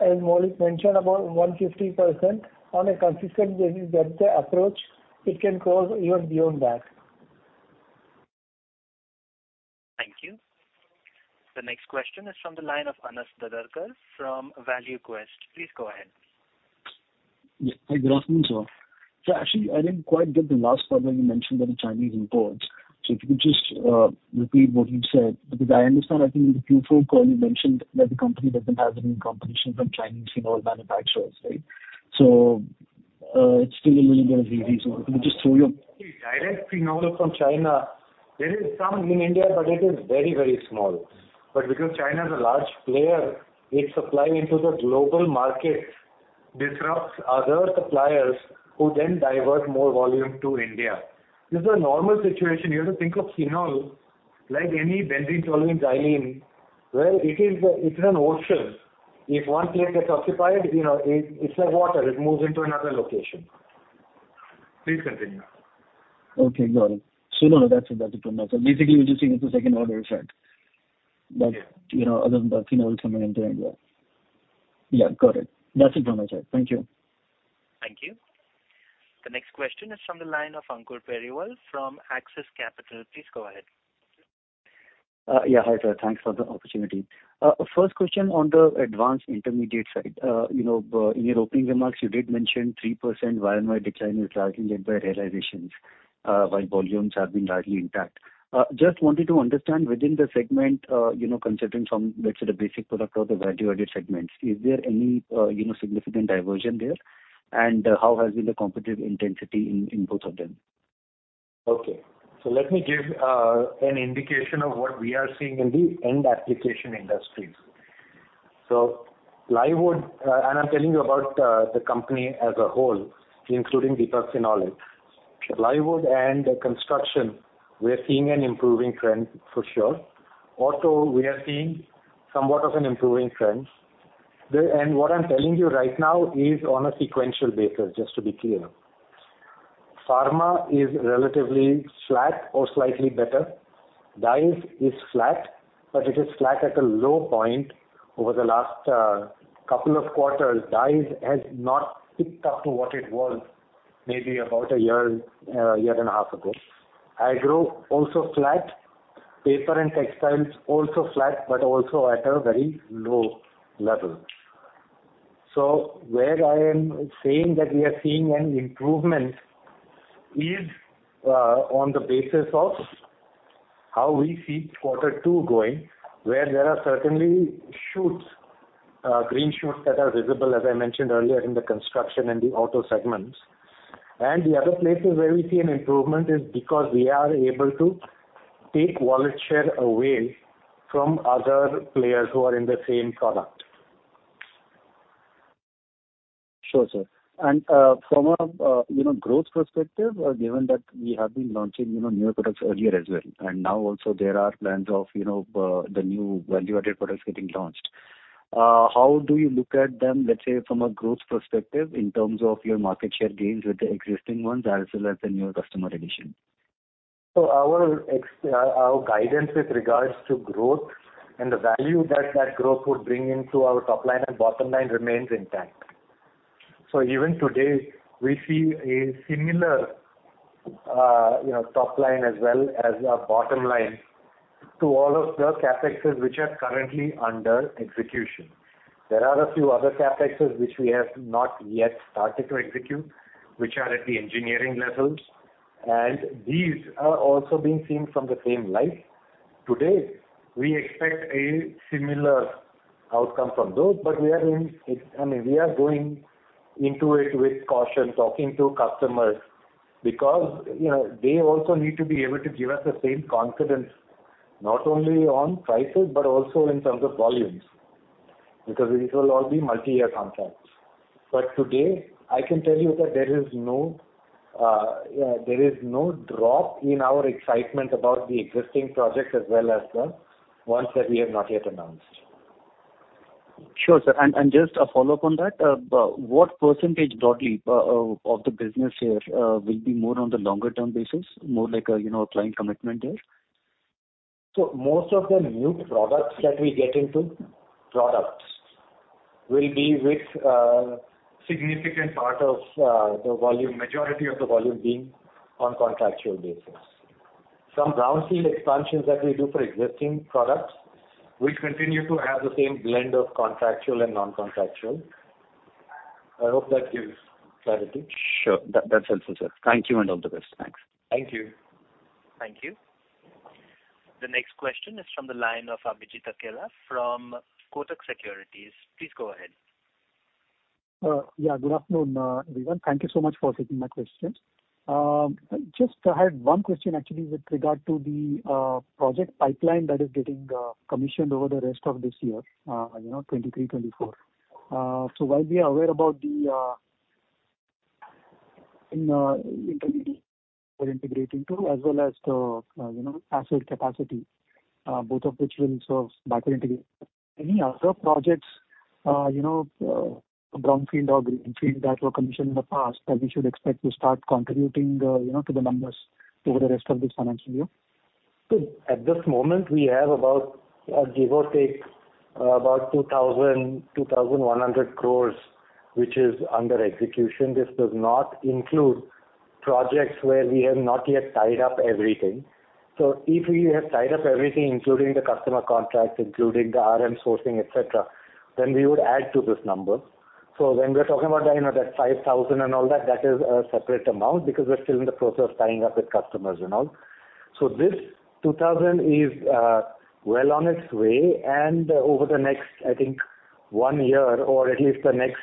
as Maulik mentioned, about 150% on a consistent basis, that the approach, it can go even beyond that. Thank you. The next question is from the line of Anas Dadarkar from ValueQuest. Please go ahead. Yes. Hi, good afternoon, sir. Actually, I didn't quite get the last part where you mentioned about the Chinese imports. If you could just repeat what you said, because I understand, I think in the Q4 call, you mentioned that the company doesn't have any competition from Chinese phenol manufacturers, right? It's still a little bit easy. If you just tell me your. Direct phenol from China, there is some in India, but it is very, very small. Because China is a large player, its supply into the global market disrupts other suppliers, who then divert more volume to India. This is a normal situation. You have to think of phenol like any benzene, toluene, xylene, where it's an ocean. If one place gets occupied, you know, it's like water, it moves into another location. Please continue. Okay, got it. No, that's it. That's it from my side. Basically, we're just seeing it's a second-order effect. Yeah. You know, other than the phenol coming into India. Yeah, got it. That's it from my side. Thank you. Thank you. The next question is from the line of Ankur Periwal from Axis Capital. Please go ahead. Yeah. Hi, sir. Thanks for the opportunity. First question on the Advanced Intermediates side. you know, in your opening remarks, you did mention 3% YoY decline is largely led by realizations, while volumes have been largely intact. Just wanted to understand within the segment, you know, considering from, let's say, the basic product or the value-added segments, is there any, you know, significant diversion there? How has been the competitive intensity in both of them? Okay, let me give an indication of what we are seeing in the end application industries. Plywood, and I'm telling you about the company as a whole, including the phenol. Plywood and construction, we are seeing an improving trend for sure. Auto, we are seeing somewhat of an improving trend. What I'm telling you right now is on a sequential basis, just to be clear. Pharma is relatively flat or slightly better. Dyes is flat, but it is flat at a low point. Over the last couple of quarters, dyes has not picked up to what it was maybe about a year, a year and a half ago. Agro, also flat. Paper and textiles, also flat, but also at a very low level. Where I am saying that we are seeing an improvement is, on the basis of how we see quarter two going, where there are certainly shoots, green shoots that are visible, as I mentioned earlier, in the construction and the auto segments. The other places where we see an improvement is because we are able to take wallet share away from other players who are in the same product. Sure, sir. From a, you know, growth perspective, given that we have been launching, you know, newer products earlier as well, and now also there are plans of, you know, the new value-added products getting launched, how do you look at them, let's say, from a growth perspective, in terms of your market share gains with the existing ones as well as the new customer addition? Our guidance with regards to growth and the value that, that growth would bring into our top line and bottom line remains intact. Even today, we see a similar, you know, top line as well as a bottom line to all of the CapExes which are currently under execution. There are a few other CapExes which we have not yet started to execute, which are at the engineering levels, and these are also being seen from the same light. Today, we expect a similar outcome from those, but we are, I mean, we are going into it with caution, talking to customers, because, you know, they also need to be able to give us the same confidence, not only on prices, but also in terms of volumes, because these will all be multi-year contracts. Today, I can tell you that there is no, there is no drop in our excitement about the existing projects as well as the ones that we have not yet announced. Sure, sir. Just a follow-up on that, what percentage broadly of the business here will be more on the longer-term basis, more like a, you know, a client commitment there? Most of the new products that we get into, products, will be with, significant part of, the volume, majority of the volume being on contractual basis. Some brownfield expansions that we do for existing products will continue to have the same blend of contractual and non-contractual. I hope that gives clarity. Sure. That, that's helpful, sir. Thank you and all the best. Thanks. Thank you. Thank you. The next question is from the line of Abhijeet Akella from Kotak Securities. Please go ahead. Yeah, good afternoon, everyone. Thank you so much for taking my questions. Just I had one question actually with regard to the project pipeline that is getting commissioned over the rest of this year, you know, 2023, 2024. While we are aware about the intermediate we're integrating to, as well as the, you know, asset capacity, both of which will serve battery integration. Any other projects, you know, brownfield or greenfield, that were commissioned in the past, that we should expect to start contributing, you know, to the numbers over the rest of this financial year? At this moment, we have about, give or take, about 2,000 crore-2,100 crore, which is under execution. This does not include projects where we have not yet tied up everything. If we have tied up everything, including the customer contracts, including the RM sourcing, et cetera, then we would add to this number. When we're talking about, you know, that 5,000 crore and all that, that is a separate amount, because we're still in the process of tying up with customers and all. This 2,000 crore is well on its way, and over the next, I think, one year, or at least the next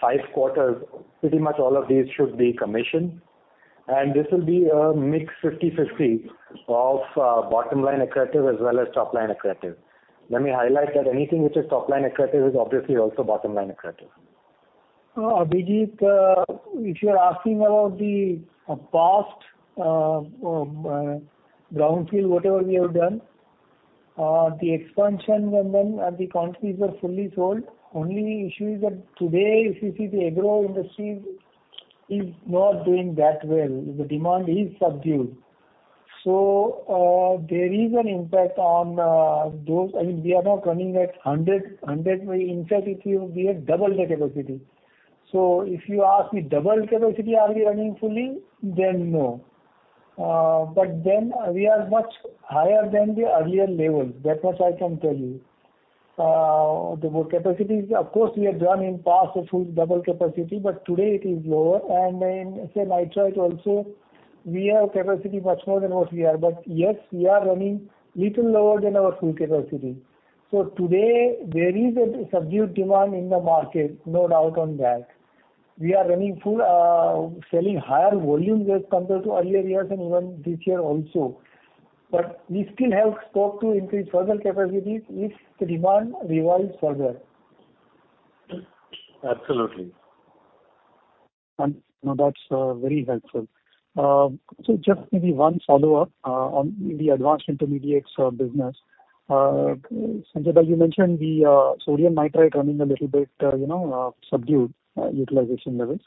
five quarters, pretty much all of these should be commissioned. This will be a mixed 50/50 of bottom-line accretive as well as top-line accretive. Let me highlight that anything which is top line accretive is obviously also bottom line accretive. If you are asking about the past, brownfield, whatever we have done, the expansion and then the quantities are fully sold. Only issue is that today, if you see the agro industries is not doing that well. The demand is subdued. So there is an impact on those. I mean, we are not running at 100, 100. In fact, it will be at double the capacity. So if you ask me double capacity, are we running fully? Then, no. But then we are much higher than the earlier levels. That much I can tell you. The capacity, of course, we have run in past the full double capacity, but today it is lower. And in, say, Nitrite also, we have capacity much more than what we are. But yes, we are running little lower than our full capacity. Today there is a subdued demand in the market, no doubt on that. We are running full, selling higher volumes as compared to earlier years and even this year also. We still have stock to increase further capacities if the demand revives further. Absolutely. That's very helpful. Just maybe one follow-up on the Advanced Intermediates business. Sanjay, you mentioned the sodium nitrite running a little bit, you know, subdued utilization levels.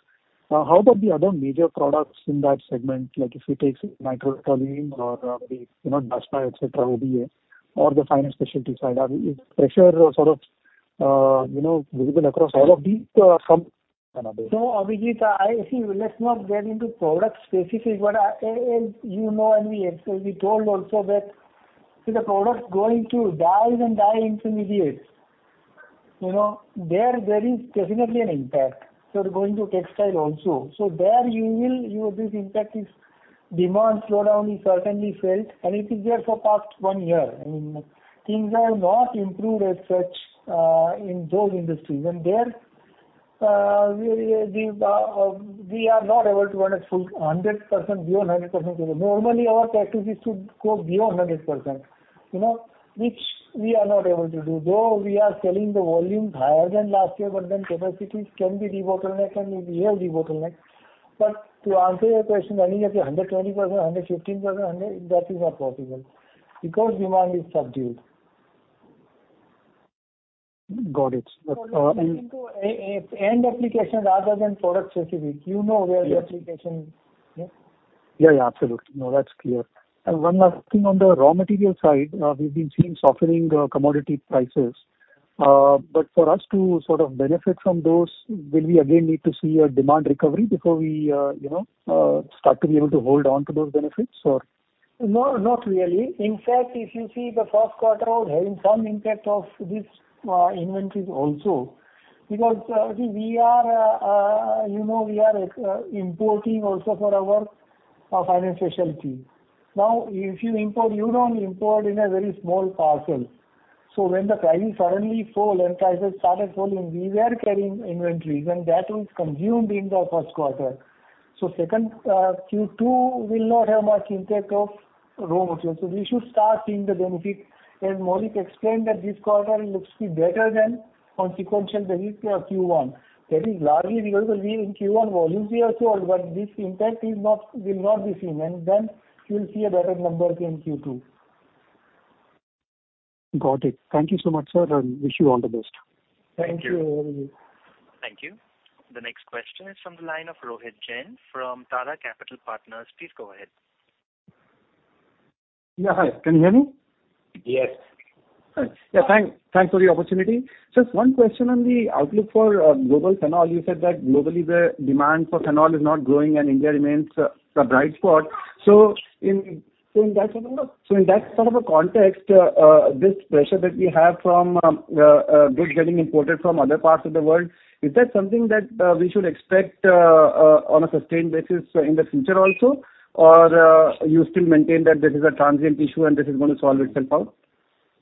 How about the other major products in that segment? Like, if you take nitrochlorobenzene or the, you know, etcetera, or the fine specialty side, are we pressure sort of, you know, visible across all of these, from another? No, Abhijeet, I see. Let's not get into product specific, you know, we, we told also that the products going to dyes and dye intermediates, you know, there, there is definitely an impact. Going to textile also. There you will, you will be impacted. Demand slowdown is certainly felt. It is there for past one year. I mean, things have not improved as such in those industries. There, we are not able to run at full 100%, beyond 100%. Normally, our capacity should go beyond 100%, you know, which we are not able to do. We are selling the volumes higher than last year, then capacities can be bottleneck, we have bottleneck. To answer your question, running at 120%, 115%, 100%, that is not possible, because demand is subdued. Got it. End application rather than product specific, you know, where the application is. Yeah, yeah, absolutely. No, that's clear. One last thing on the raw material side, we've been seeing softening commodity prices. For us to sort of benefit from those, will we again need to see a demand recovery before we, you know, start to be able to hold on to those benefits, or? No, not really. In fact, if you see the first quarter having some impact of this, inventories also, because we are, you know, we are importing also for our fine specialty. Now, if you import, you don't import in a very small parcel. When the pricing suddenly fall and prices started falling, we were carrying inventories, and that was consumed in the first quarter. Q2 will not have much impact of raw material. We should start seeing the benefit. As Maulik explained that this quarter looks to be better than on sequential benefit of Q1. That is largely because we in Q1 volumes we have sold, but this impact is not, will not be seen, and then you'll see a better number in Q2. Got it. Thank you so much, sir, and wish you all the best. Thank you. Thank you. Thank you. The next question is from the line of Rohit Jain from Tara Capital Partners. Please go ahead. Yeah, hi, can you hear me? Yes. Yeah, thanks. Thanks for the opportunity. Just one question on the outlook for global phenol. You said that globally, the demand for phenol is not growing and India remains a bright spot. In that sort of a context, this pressure that we have from goods getting imported from other parts of the world, is that something that we should expect on a sustained basis in the future also? Or you still maintain that this is a transient issue and this is going to solve itself out?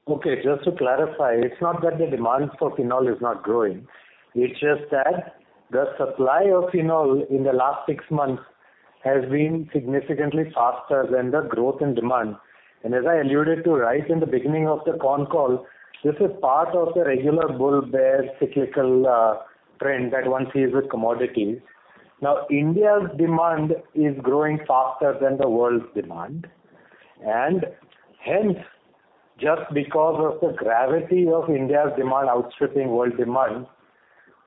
Okay, just to clarify, it's not that the demand for phenol is not growing. It's just that the supply of phenol in the last six months has been significantly faster than the growth in demand. As I alluded to right in the beginning of the con call, this is part of the regular bull-bear cyclical trend that one sees with commodities. India's demand is growing faster than the world's demand, and hence, just because of the gravity of India's demand outstripping world demand,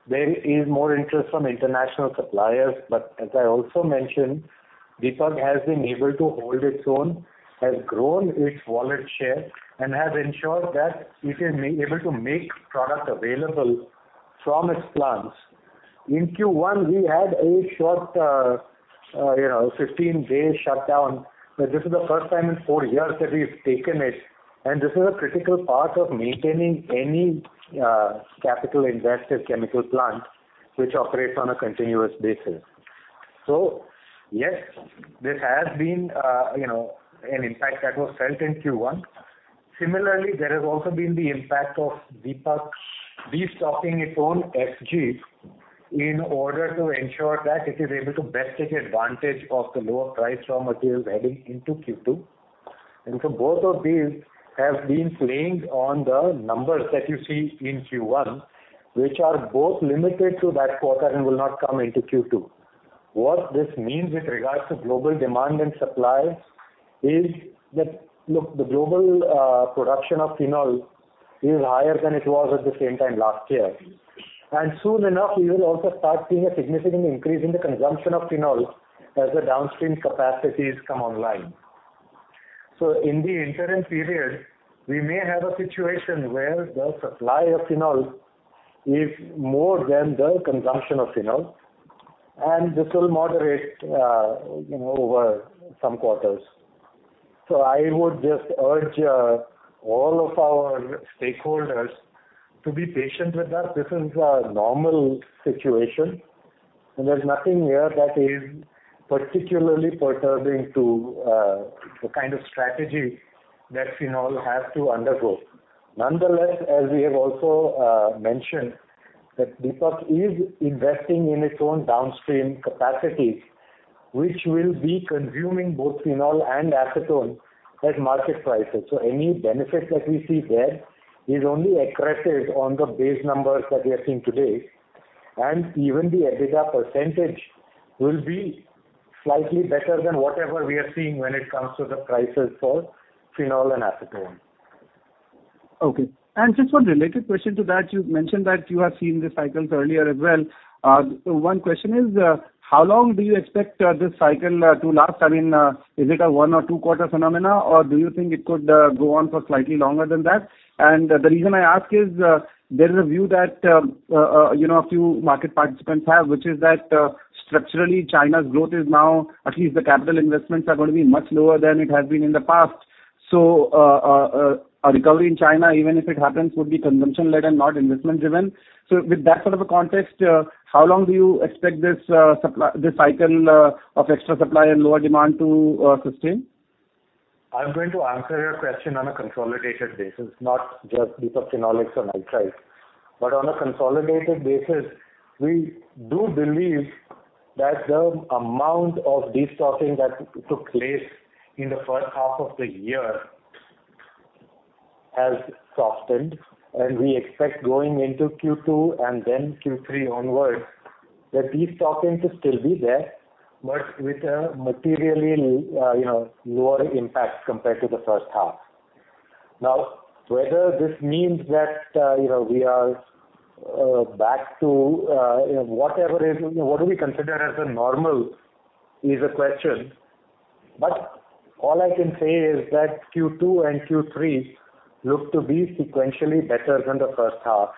there is more interest from international suppliers. As I also mentioned, Deepak has been able to hold its own, has grown its wallet share, and has ensured that it is able to make product available from its plants. In Q1, we had a short, you know, 15-day shutdown. This is the first time in four years that we've taken it, and this is a critical part of maintaining any capital invested chemical plant which operates on a continuous basis. Yes, this has been, you know, an impact that was felt in Q1. Similarly, there has also been the impact of Deepak destocking its own FGs in order to ensure that it is able to best take advantage of the lower price raw materials heading into Q2. Both of these have been playing on the numbers that you see in Q1, which are both limited to that quarter and will not come into Q2. What this means with regards to global demand and supply is that, look, the global production of phenol is higher than it was at the same time last year. Soon enough, we will also start seeing a significant increase in the consumption of phenol as the downstream capacities come online. In the interim period, we may have a situation where the supply of phenol is more than the consumption of phenol, and this will moderate, you know, over some quarters. I would just urge all of our stakeholders to be patient with us. This is a normal situation, and there's nothing here that is particularly perturbing to the kind of strategy that phenol has to undergo. Nonetheless, as we have also mentioned, that Deepak is investing in its own downstream capacities, which will be consuming both phenol and acetone at market prices. Any benefit that we see there is only accretive on the base numbers that we are seeing today, and even the EBITDA % will be slightly better than whatever we are seeing when it comes to the prices for phenol and acetone. Okay. Just one related question to that. You've mentioned that you have seen the cycles earlier as well. So one question is, how long do you expect this cycle to last? I mean, is it a one or two quarter phenomena, or do you think it could go on for slightly longer than that? The reason I ask is, there is a view that, a few market participants have, which is that, structurally, China's growth is now, at least the capital investments are going to be much lower than it has been in the past. A recovery in China, even if it happens, would be consumption-led and not investment-driven. With that sort of a context, how long do you expect this cycle of extra supply and lower demand to sustain? I'm going to answer your question on a consolidated basis, not just Deepak Phenolics and Deepak Nitrite. On a consolidated basis, we do believe that the amount of destocking that took place in the first half of the year has softened, and we expect going into Q2 and then Q3 onwards, that destocking to still be there, but with a materially, you know, lower impact compared to the first half. Whether this means that, you know, we are, back to, you know, what do we consider as a normal is a question. All I can say is that Q2 and Q3 look to be sequentially better than the first half.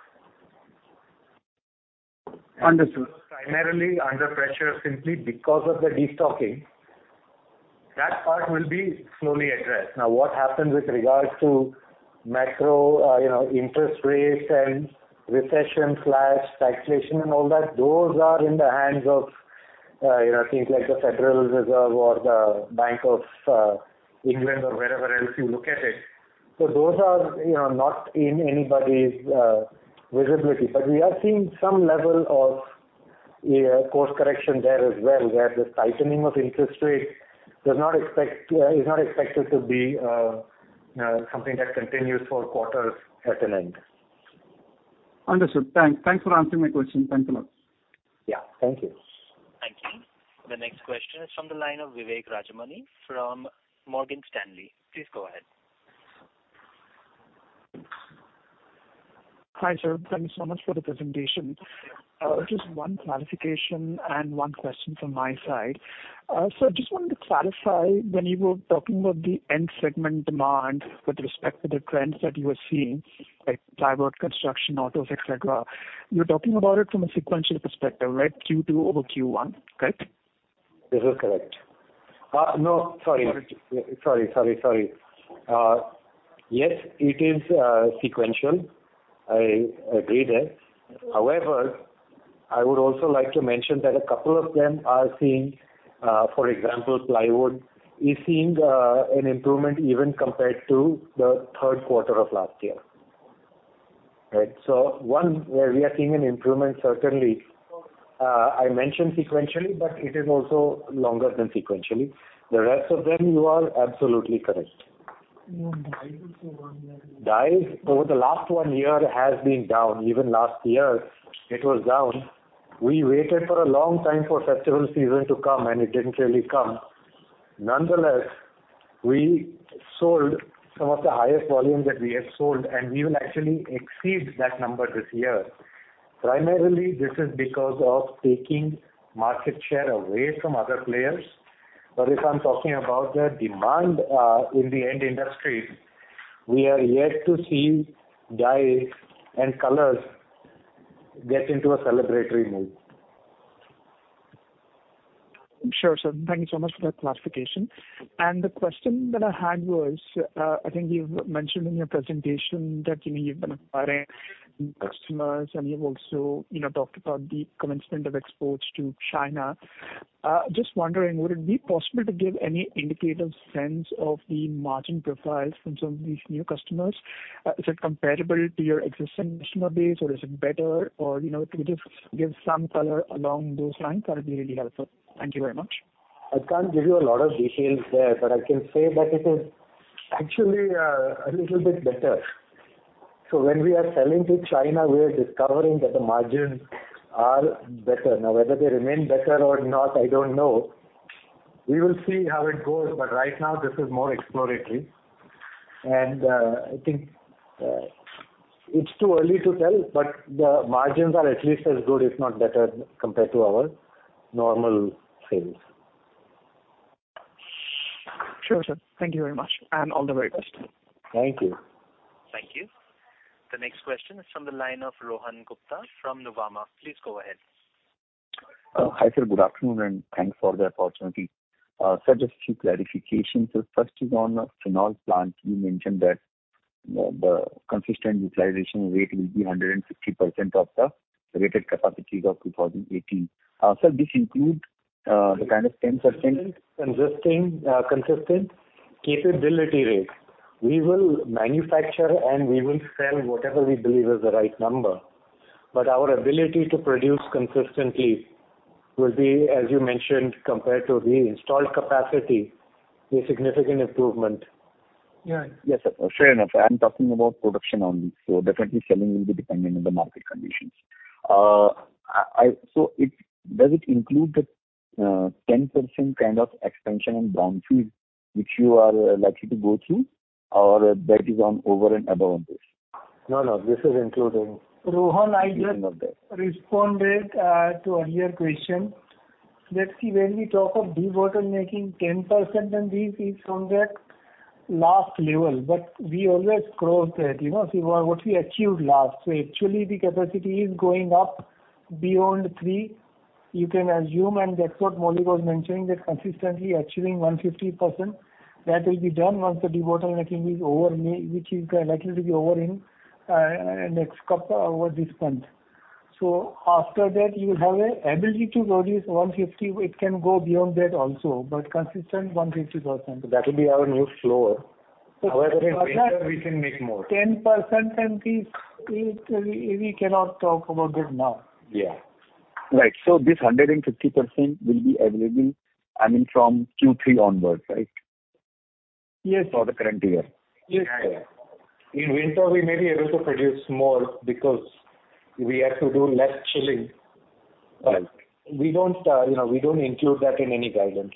Understood. Primarily under pressure, simply because of the destocking. That part will be slowly addressed. What happens with regards to macro, you know, interest rates and recession/stagnation and all that, those are in the hands of, you know, things like the Federal Reserve or the Bank of England or wherever else you look at it. Those are, you know, not in anybody's visibility. We are seeing some level of course correction there as well, where the tightening of interest rates does not expect is not expected to be something that continues for quarters at an end. Understood. Thanks. Thanks for answering my question. Thanks a lot. Yeah, thank you. Thank you. The next question is from the line of Vivek Rajamani from Morgan Stanley. Please go ahead. Hi, sir. Thank you so much for the presentation. Just one clarification and one question from my side. I just wanted to clarify, when you were talking about the end segment demand with respect to the trends that you were seeing, like private construction, autos, et cetera, you're talking about it from a sequential perspective, right? Q2 over Q1, correct? This is correct. No, sorry. Sorry, sorry, sorry. Yes, it is sequential. I agree there. However, I would also like to mention that a couple of them are seeing, for example, plywood is seeing an improvement even compared to the third quarter of last year, right? One, where we are seeing an improvement, certainly, I mentioned sequentially, but it is also longer than sequentially. The rest of them, you are absolutely correct. Dyes also one year. Dyes, over the last one year, has been down. Even last year it was down. We waited for a long time for festival season to come, and it didn't really come. Nonetheless, we sold some of the highest volumes that we have sold, and we will actually exceed that number this year. Primarily, this is because of taking market share away from other players. If I'm talking about the demand, in the end industry, we are yet to see dyes and colors get into a celebratory mood. Sure, sir. Thank you so much for that clarification. The question that I had was, I think you've mentioned in your presentation that, you know, you've been acquiring new customers, and you've also, you know, talked about the commencement of exports to China. Just wondering, would it be possible to give any indicative sense of the margin profiles from some of these new customers? Is it comparable to your existing customer base, or is it better? You know, can you just give some color along those lines? That would be really helpful. Thank you very much. I can't give you a lot of details there, but I can say that it is actually a little bit better. When we are selling to China, we are discovering that the margins are better. Now, whether they remain better or not, I don't know. We will see how it goes, but right now this is more exploratory. I think it's too early to tell, but the margins are at least as good, if not better, compared to our normal sales. Sure, sir. Thank you very much. All the very best. Thank you. Thank you. The next question is from the line of Rohan Gupta from Nuvama. Please go ahead. Hi, sir, good afternoon, and thanks for the opportunity. Sir, just a few clarifications. First is on phenol plant. You mentioned that consistent utilization rate will be 150% of the rated capacities of 2018. Sir, this include 10%. Consistent, consistent capability rate. We will manufacture and we will sell whatever we believe is the right number, but our ability to produce consistently will be, as you mentioned, compared to the installed capacity, a significant improvement. Yeah. Yes, sir. Fair enough. I am talking about production only, so definitely selling will be dependent on the market conditions. Does it include the 10% kind of expansion in brownfield, which you are likely to go through? Or that is on over and above this? No, no, this is including. Rohan, I just responded to earlier question. Let's see, when we talk of de-bottlenecking 10%, and this is from that last level, but we always close that, you know, see what, what we achieved last. Actually, the capacity is going up beyond three. You can assume, and that's what Maulik was mentioning, that consistently achieving 150%, that will be done once the de-bottlenecking is over, May, which is likely to be over in next couple, over this month. After that, you will have a ability to produce 150. It can go beyond that also, but consistent, 150%. That will be our new floor. However, in winter, we can make more. 10%, we, we, we cannot talk about that now. Yeah. Right. This 150% will be available, I mean, from Q3 onwards, right? Yes. For the current year? Yes. Yeah, yeah. In winter, we may be able to produce more because we have to do less chilling. Right. We don't, you know, we don't include that in any guidance.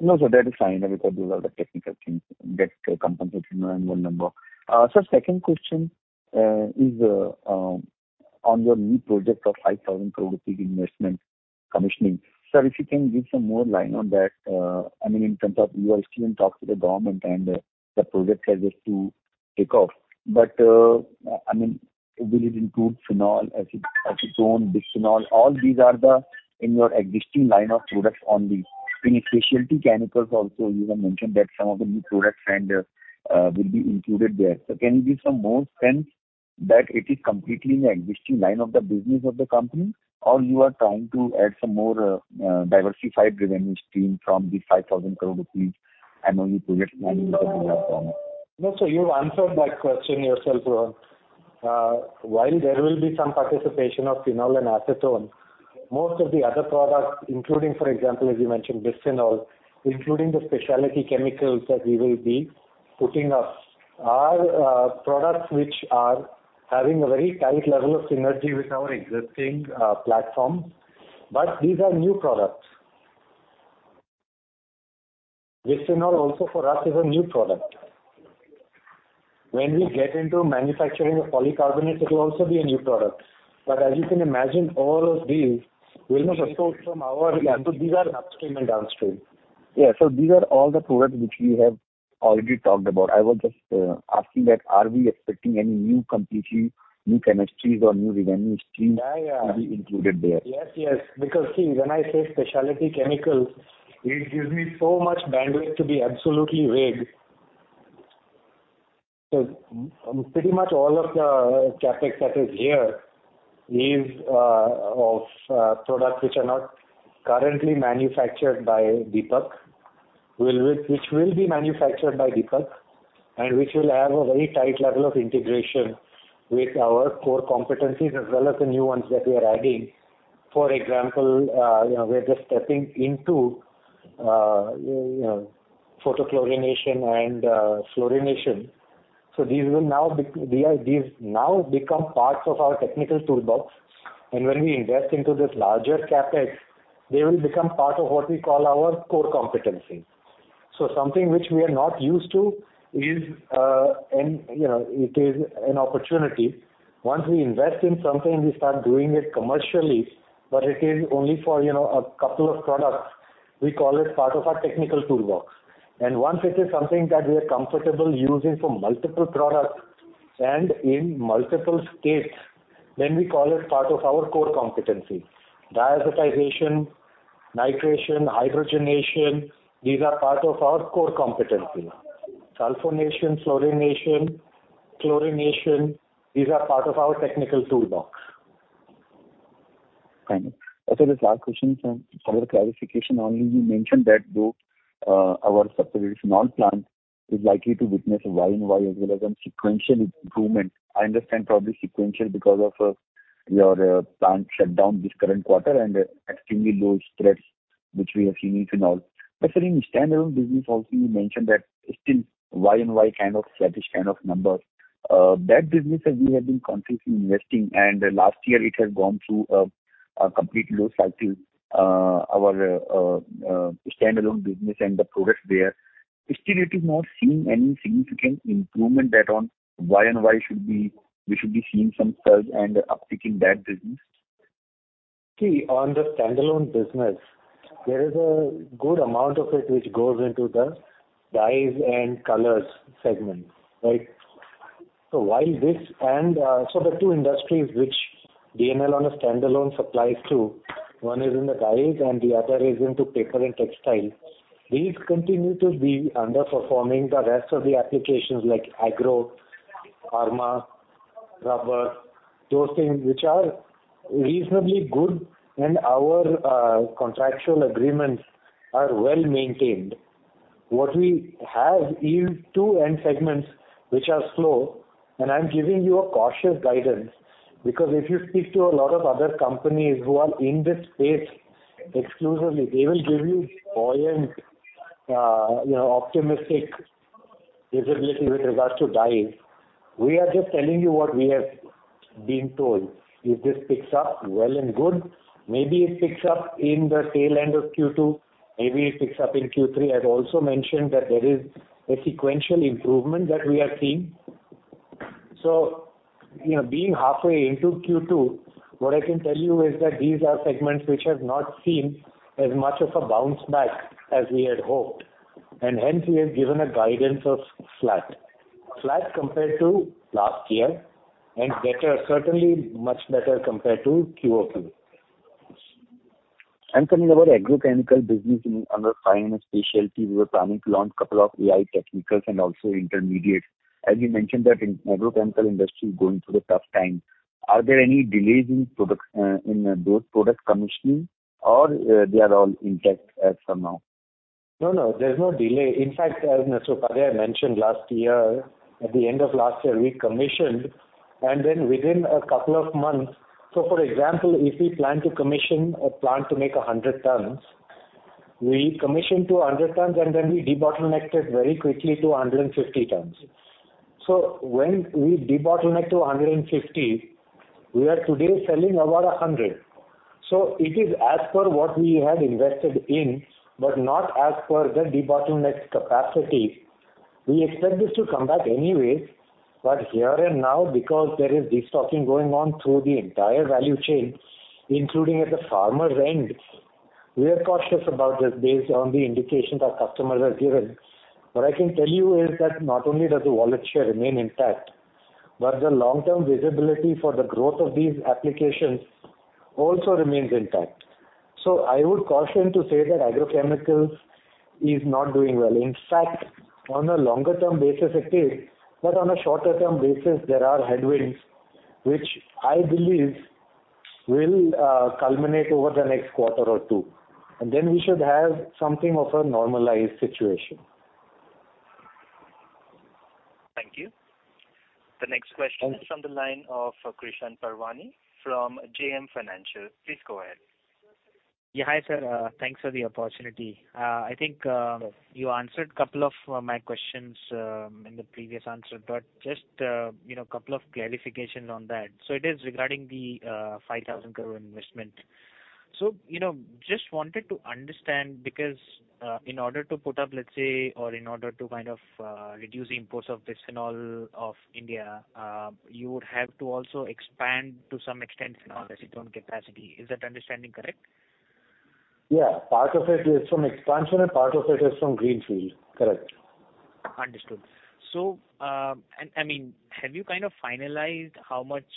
No, sir, that is fine, because those are the technical things that compensation and one number. Sir, second question is on your new project of 5,000 crore rupee investment commissioning. Sir, if you can give some more line on that, I mean, in terms of you are still in talk to the government and the project has just to take off. I mean, will it include phenol, acetone, bisphenol? All these are the, in your existing line of products on the. In specialty chemicals also, you have mentioned that some of the new products and will be included there. Can you give some more sense that it is completely in the existing line of the business of the company, or you are trying to add some more diversified revenue stream from the ₹5,000 crore annual project planning with the government? No, you've answered that question yourself, Rohan. While there will be some participation of phenol and acetone, most of the other products, including, for example, as you mentioned, bisphenol, including the specialty chemicals that we will be putting up, are products which are having a very tight level of synergy with our existing platform. These are new products. Bisphenol also for us is a new product. When we get into manufacturing of polycarbonate, it will also be a new product. As you can imagine, all of these will not approach from our. These are upstream and downstream. Yeah. These are all the products which we have already talked about. I was just asking that, are we expecting any new, completely new chemistries or new revenue streams? Yeah, yeah. To be included there? Yes, yes. Because, see, when I say specialty chemicals, it gives me so much bandwidth to be absolutely vague. Pretty much all of the CapEx that is here is of products which are not currently manufactured by Deepak, which will be manufactured by Deepak, and which will have a very tight level of integration with our core competencies, as well as the new ones that we are adding. For example, you know, we are just stepping into, you know, photochlorination and fluorination. These will now be these, these now become parts of our technical toolbox, and when we invest into this larger CapEx, they will become part of what we call our core competency. Something which we are not used to is, and, you know, it is an opportunity. Once we invest in something, we start doing it commercially, but it is only for, you know, a couple of products. We call it part of our technical toolbox. Once it is something that we are comfortable using for multiple products and in multiple states, then we call it part of our core competency. Diazotization, nitration, hydrogenation, these are part of our core competency. Sulfonation, fluorination, chlorination, these are part of our technical toolbox. Thank you. Also, this last question, sir, for clarification only, you mentioned that though, our subsidiary, phenol plant, is likely to witness a YoY, as well as a sequential improvement. I understand probably sequential because of your plant shutdown this current quarter and extremely low spreads, which we have seen in phenol. Sir, in standalone business also, you mentioned that still YoY kind of flattish kind of numbers. That business that we have been continuously investing, and last year it has gone through a complete low cycle, our standalone business and the progress there. Still it is not seeing any significant improvement that on YoY we should be seeing some surge and uptick in that business? See, on the standalone business, there is a good amount of it which goes into the dyes and colors segment, right? While this and, so the two industries which DNL on a standalone supplies to, one is in the dyes and the other is into paper and textiles. These continue to be underperforming the rest of the applications like agro, pharma, rubber, those things which are reasonably good and our contractual agreements are well maintained. What we have is two end segments, which are slow, and I'm giving you a cautious guidance, because if you speak to a lot of other companies who are in this space exclusively, they will give you buoyant, you know, optimistic visibility with regards to dyes. We are just telling you what we have been told. If this picks up, well and good, maybe it picks up in the tail end of Q2, maybe it picks up in Q3. I've also mentioned that there is a sequential improvement that we are seeing. you know, being halfway into Q2, what I can tell you is that these are segments which have not seen as much of a bounce back as we had hoped, and hence we have given a guidance of flat. Flat compared to last year, and better, certainly much better compared to Q3. Coming about agrochemical business in under fine and specialty, we were planning to launch a couple of AI technicals and also intermediates. As you mentioned that in agrochemical industry is going through a tough time. Are there any delays in products, in those product commissioning or, they are all intact as for now? No, no, there's no delay. In fact, as Mr. Upadhyay mentioned last year, at the end of last year, we commissioned, and then within a couple of months. For example, if we plan to commission a plant to make 100 tons, we commission to 100 tons, and then we debottleneck it very quickly to 150 tons. When we debottleneck to 150, we are today selling about 100. It is as per what we had invested in, but not as per the debottleneck capacity. We expect this to come back anyways, but here and now, because there is destocking going on through the entire value chain, including at the farmer's end, we are cautious about this based on the indications our customers have given. What I can tell you is that not only does the wallet share remain intact, but the long-term visibility for the growth of these applications also remains intact. I would caution to say that agrochemicals is not doing well. In fact, on a longer term basis, it is, but on a shorter term basis, there are headwinds, which I believe will culminate over the next quarter or two, and then we should have something of a normalized situation. Thank you. The next question is from the line of Krishan Parwani from JM Financial. Please go ahead. Yeah, hi, sir. Thanks for the opportunity. I think you answered couple of my questions in the previous answer, but just, you know, couple of clarifications on that. It is regarding the ₹5,000 crore investment. You know, just wanted to understand, because in order to put up, let's say, or in order to kind of reduce the imports of bisphenol of India, you would have to also expand to some extent in our acetone capacity. Is that understanding correct? Yeah. Part of it is from expansion and part of it is from greenfield. Correct. Understood. I mean, have you kind of finalized how much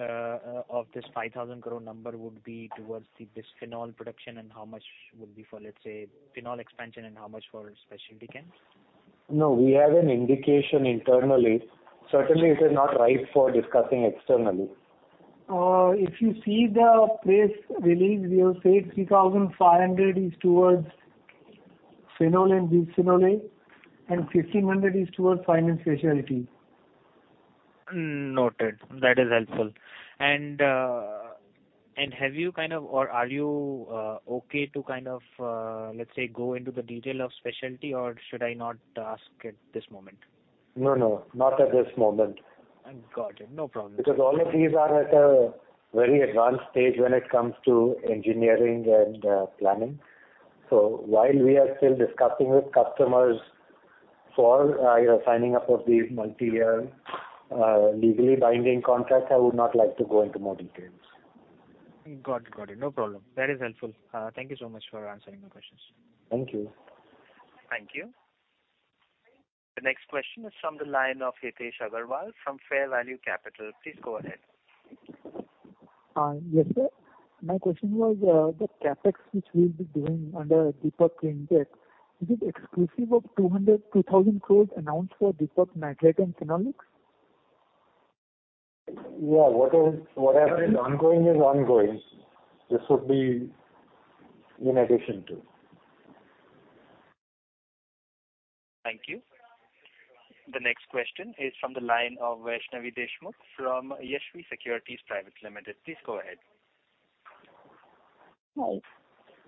of this 5,000 crore would be towards the bisphenol production, and how much would be for, let's say, phenol expansion and how much for specialty chem? No, we have an indication internally. Certainly, it is not right for discussing externally. If you see the press release, we have said 3,500 crore is towards phenol and bisphenol A, and 1,500 crore is towards fine and specialty. Noted. That is helpful. Have you kind of or are you okay to kind of, let's say, go into the detail of specialty, or should I not ask at this moment? No, no, not at this moment. I got you. No problem. All of these are at a very advanced stage when it comes to engineering and planning. While we are still discussing with customers for, you know, signing up of these multi-year, legally binding contracts, I would not like to go into more details. Got it. Got it. No problem. That is helpful. Thank you so much for answering my questions. Thank you. Thank you. The next question is from the line of Hitesh Agarwal from Fair Value Capital. Please go ahead. Yes, sir. My question was, the CapEx, which we'll be doing under Deepak GreenX, is it exclusive of 2,000 crore announced for Deepak Nitrite and Phenolics? Yeah. What is, whatever is ongoing is ongoing. This would be in addition to. Thank you. The next question is from the line of Yashwi Securities Private Limited. please go ahead. Hi.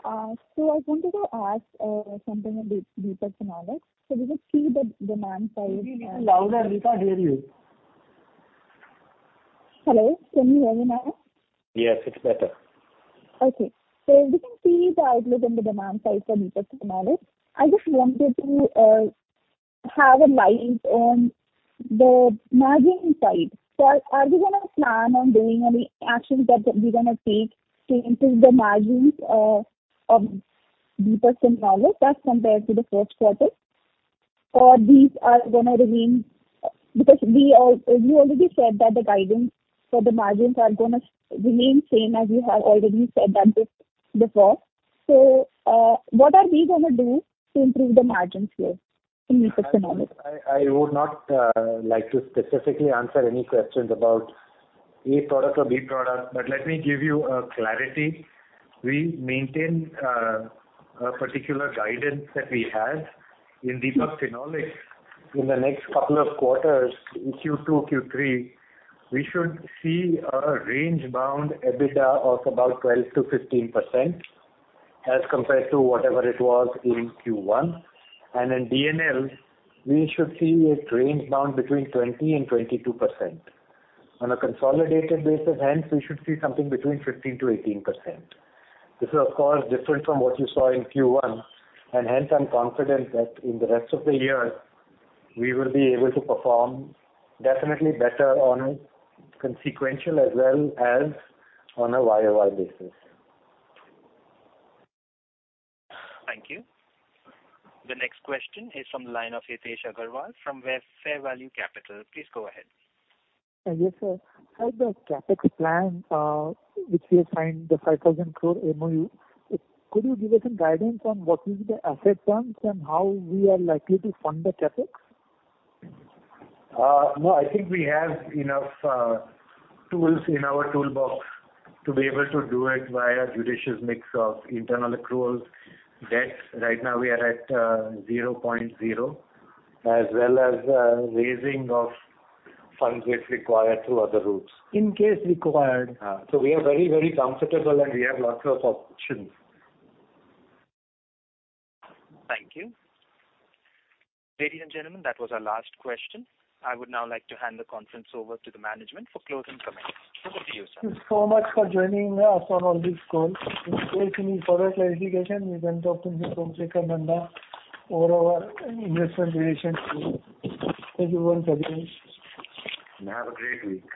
I wanted to ask something on Deepak Phenolics. We will see the demand side. Please speak louder, we can't hear you. Hello, can you hear me now? Yes, it's better. Okay. We can see the outlook and the demand side for Deepak Phenolics. I just wanted to have a light on the margin side. Are you gonna plan on doing any actions that we're gonna take to improve the margins of Deepak Phenolics as compared to the first quarter? Or these are gonna remain, because you already said that the guidance for the margins are gonna remain same, as you have already said that this before. What are we gonna do to improve the margins here in Deepak Phenolics? I would not like to specifically answer any questions about A product or B product, but let me give you clarity. We maintain a particular guidance that we have in Deepak Phenolics. In the next couple of quarters, in Q2, Q3, we should see a range bound EBITDA of about 12%-15% as compared to whatever it was in Q1. In DNL, we should see a range bound between 20% and 22%. On a consolidated basis, hence, we should see something between 15%-18%. This is, of course, different from what you saw in Q1, and hence I'm confident that in the rest of the year, we will be able to perform definitely better on a consequential as well as on a YoY basis. Thank you. The next question is from the line of Hitesh Agarwal from Fair Value Capital. Please go ahead. Yes, sir. How the CapEx plan, which we assigned the ₹5,000 crore MoU, could you give us some guidance on what is the asset terms and how we are likely to fund the CapEx? No, I think we have enough tools in our toolbox to be able to do it via judicious mix of internal accruals, debts. Right now we are at 0.0, as well as raising of funds, if required, through other routes. In case required? We are very, very comfortable, and we have lots of options. Thank you. Ladies and gentlemen, that was our last question. I would now like to hand the conference over to the management for closing comments. Over to you, sir. Thank you so much for joining us on all this call. In case you need further clarification, you can talk to me, Somsekhar Nanda or our investor relations team. Thank you once again. Have a great week.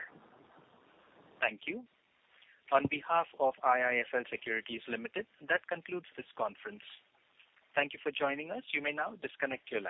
Thank you. On behalf of IIFL Securities Limited, that concludes this conference. Thank you for joining us. You may now disconnect your lines.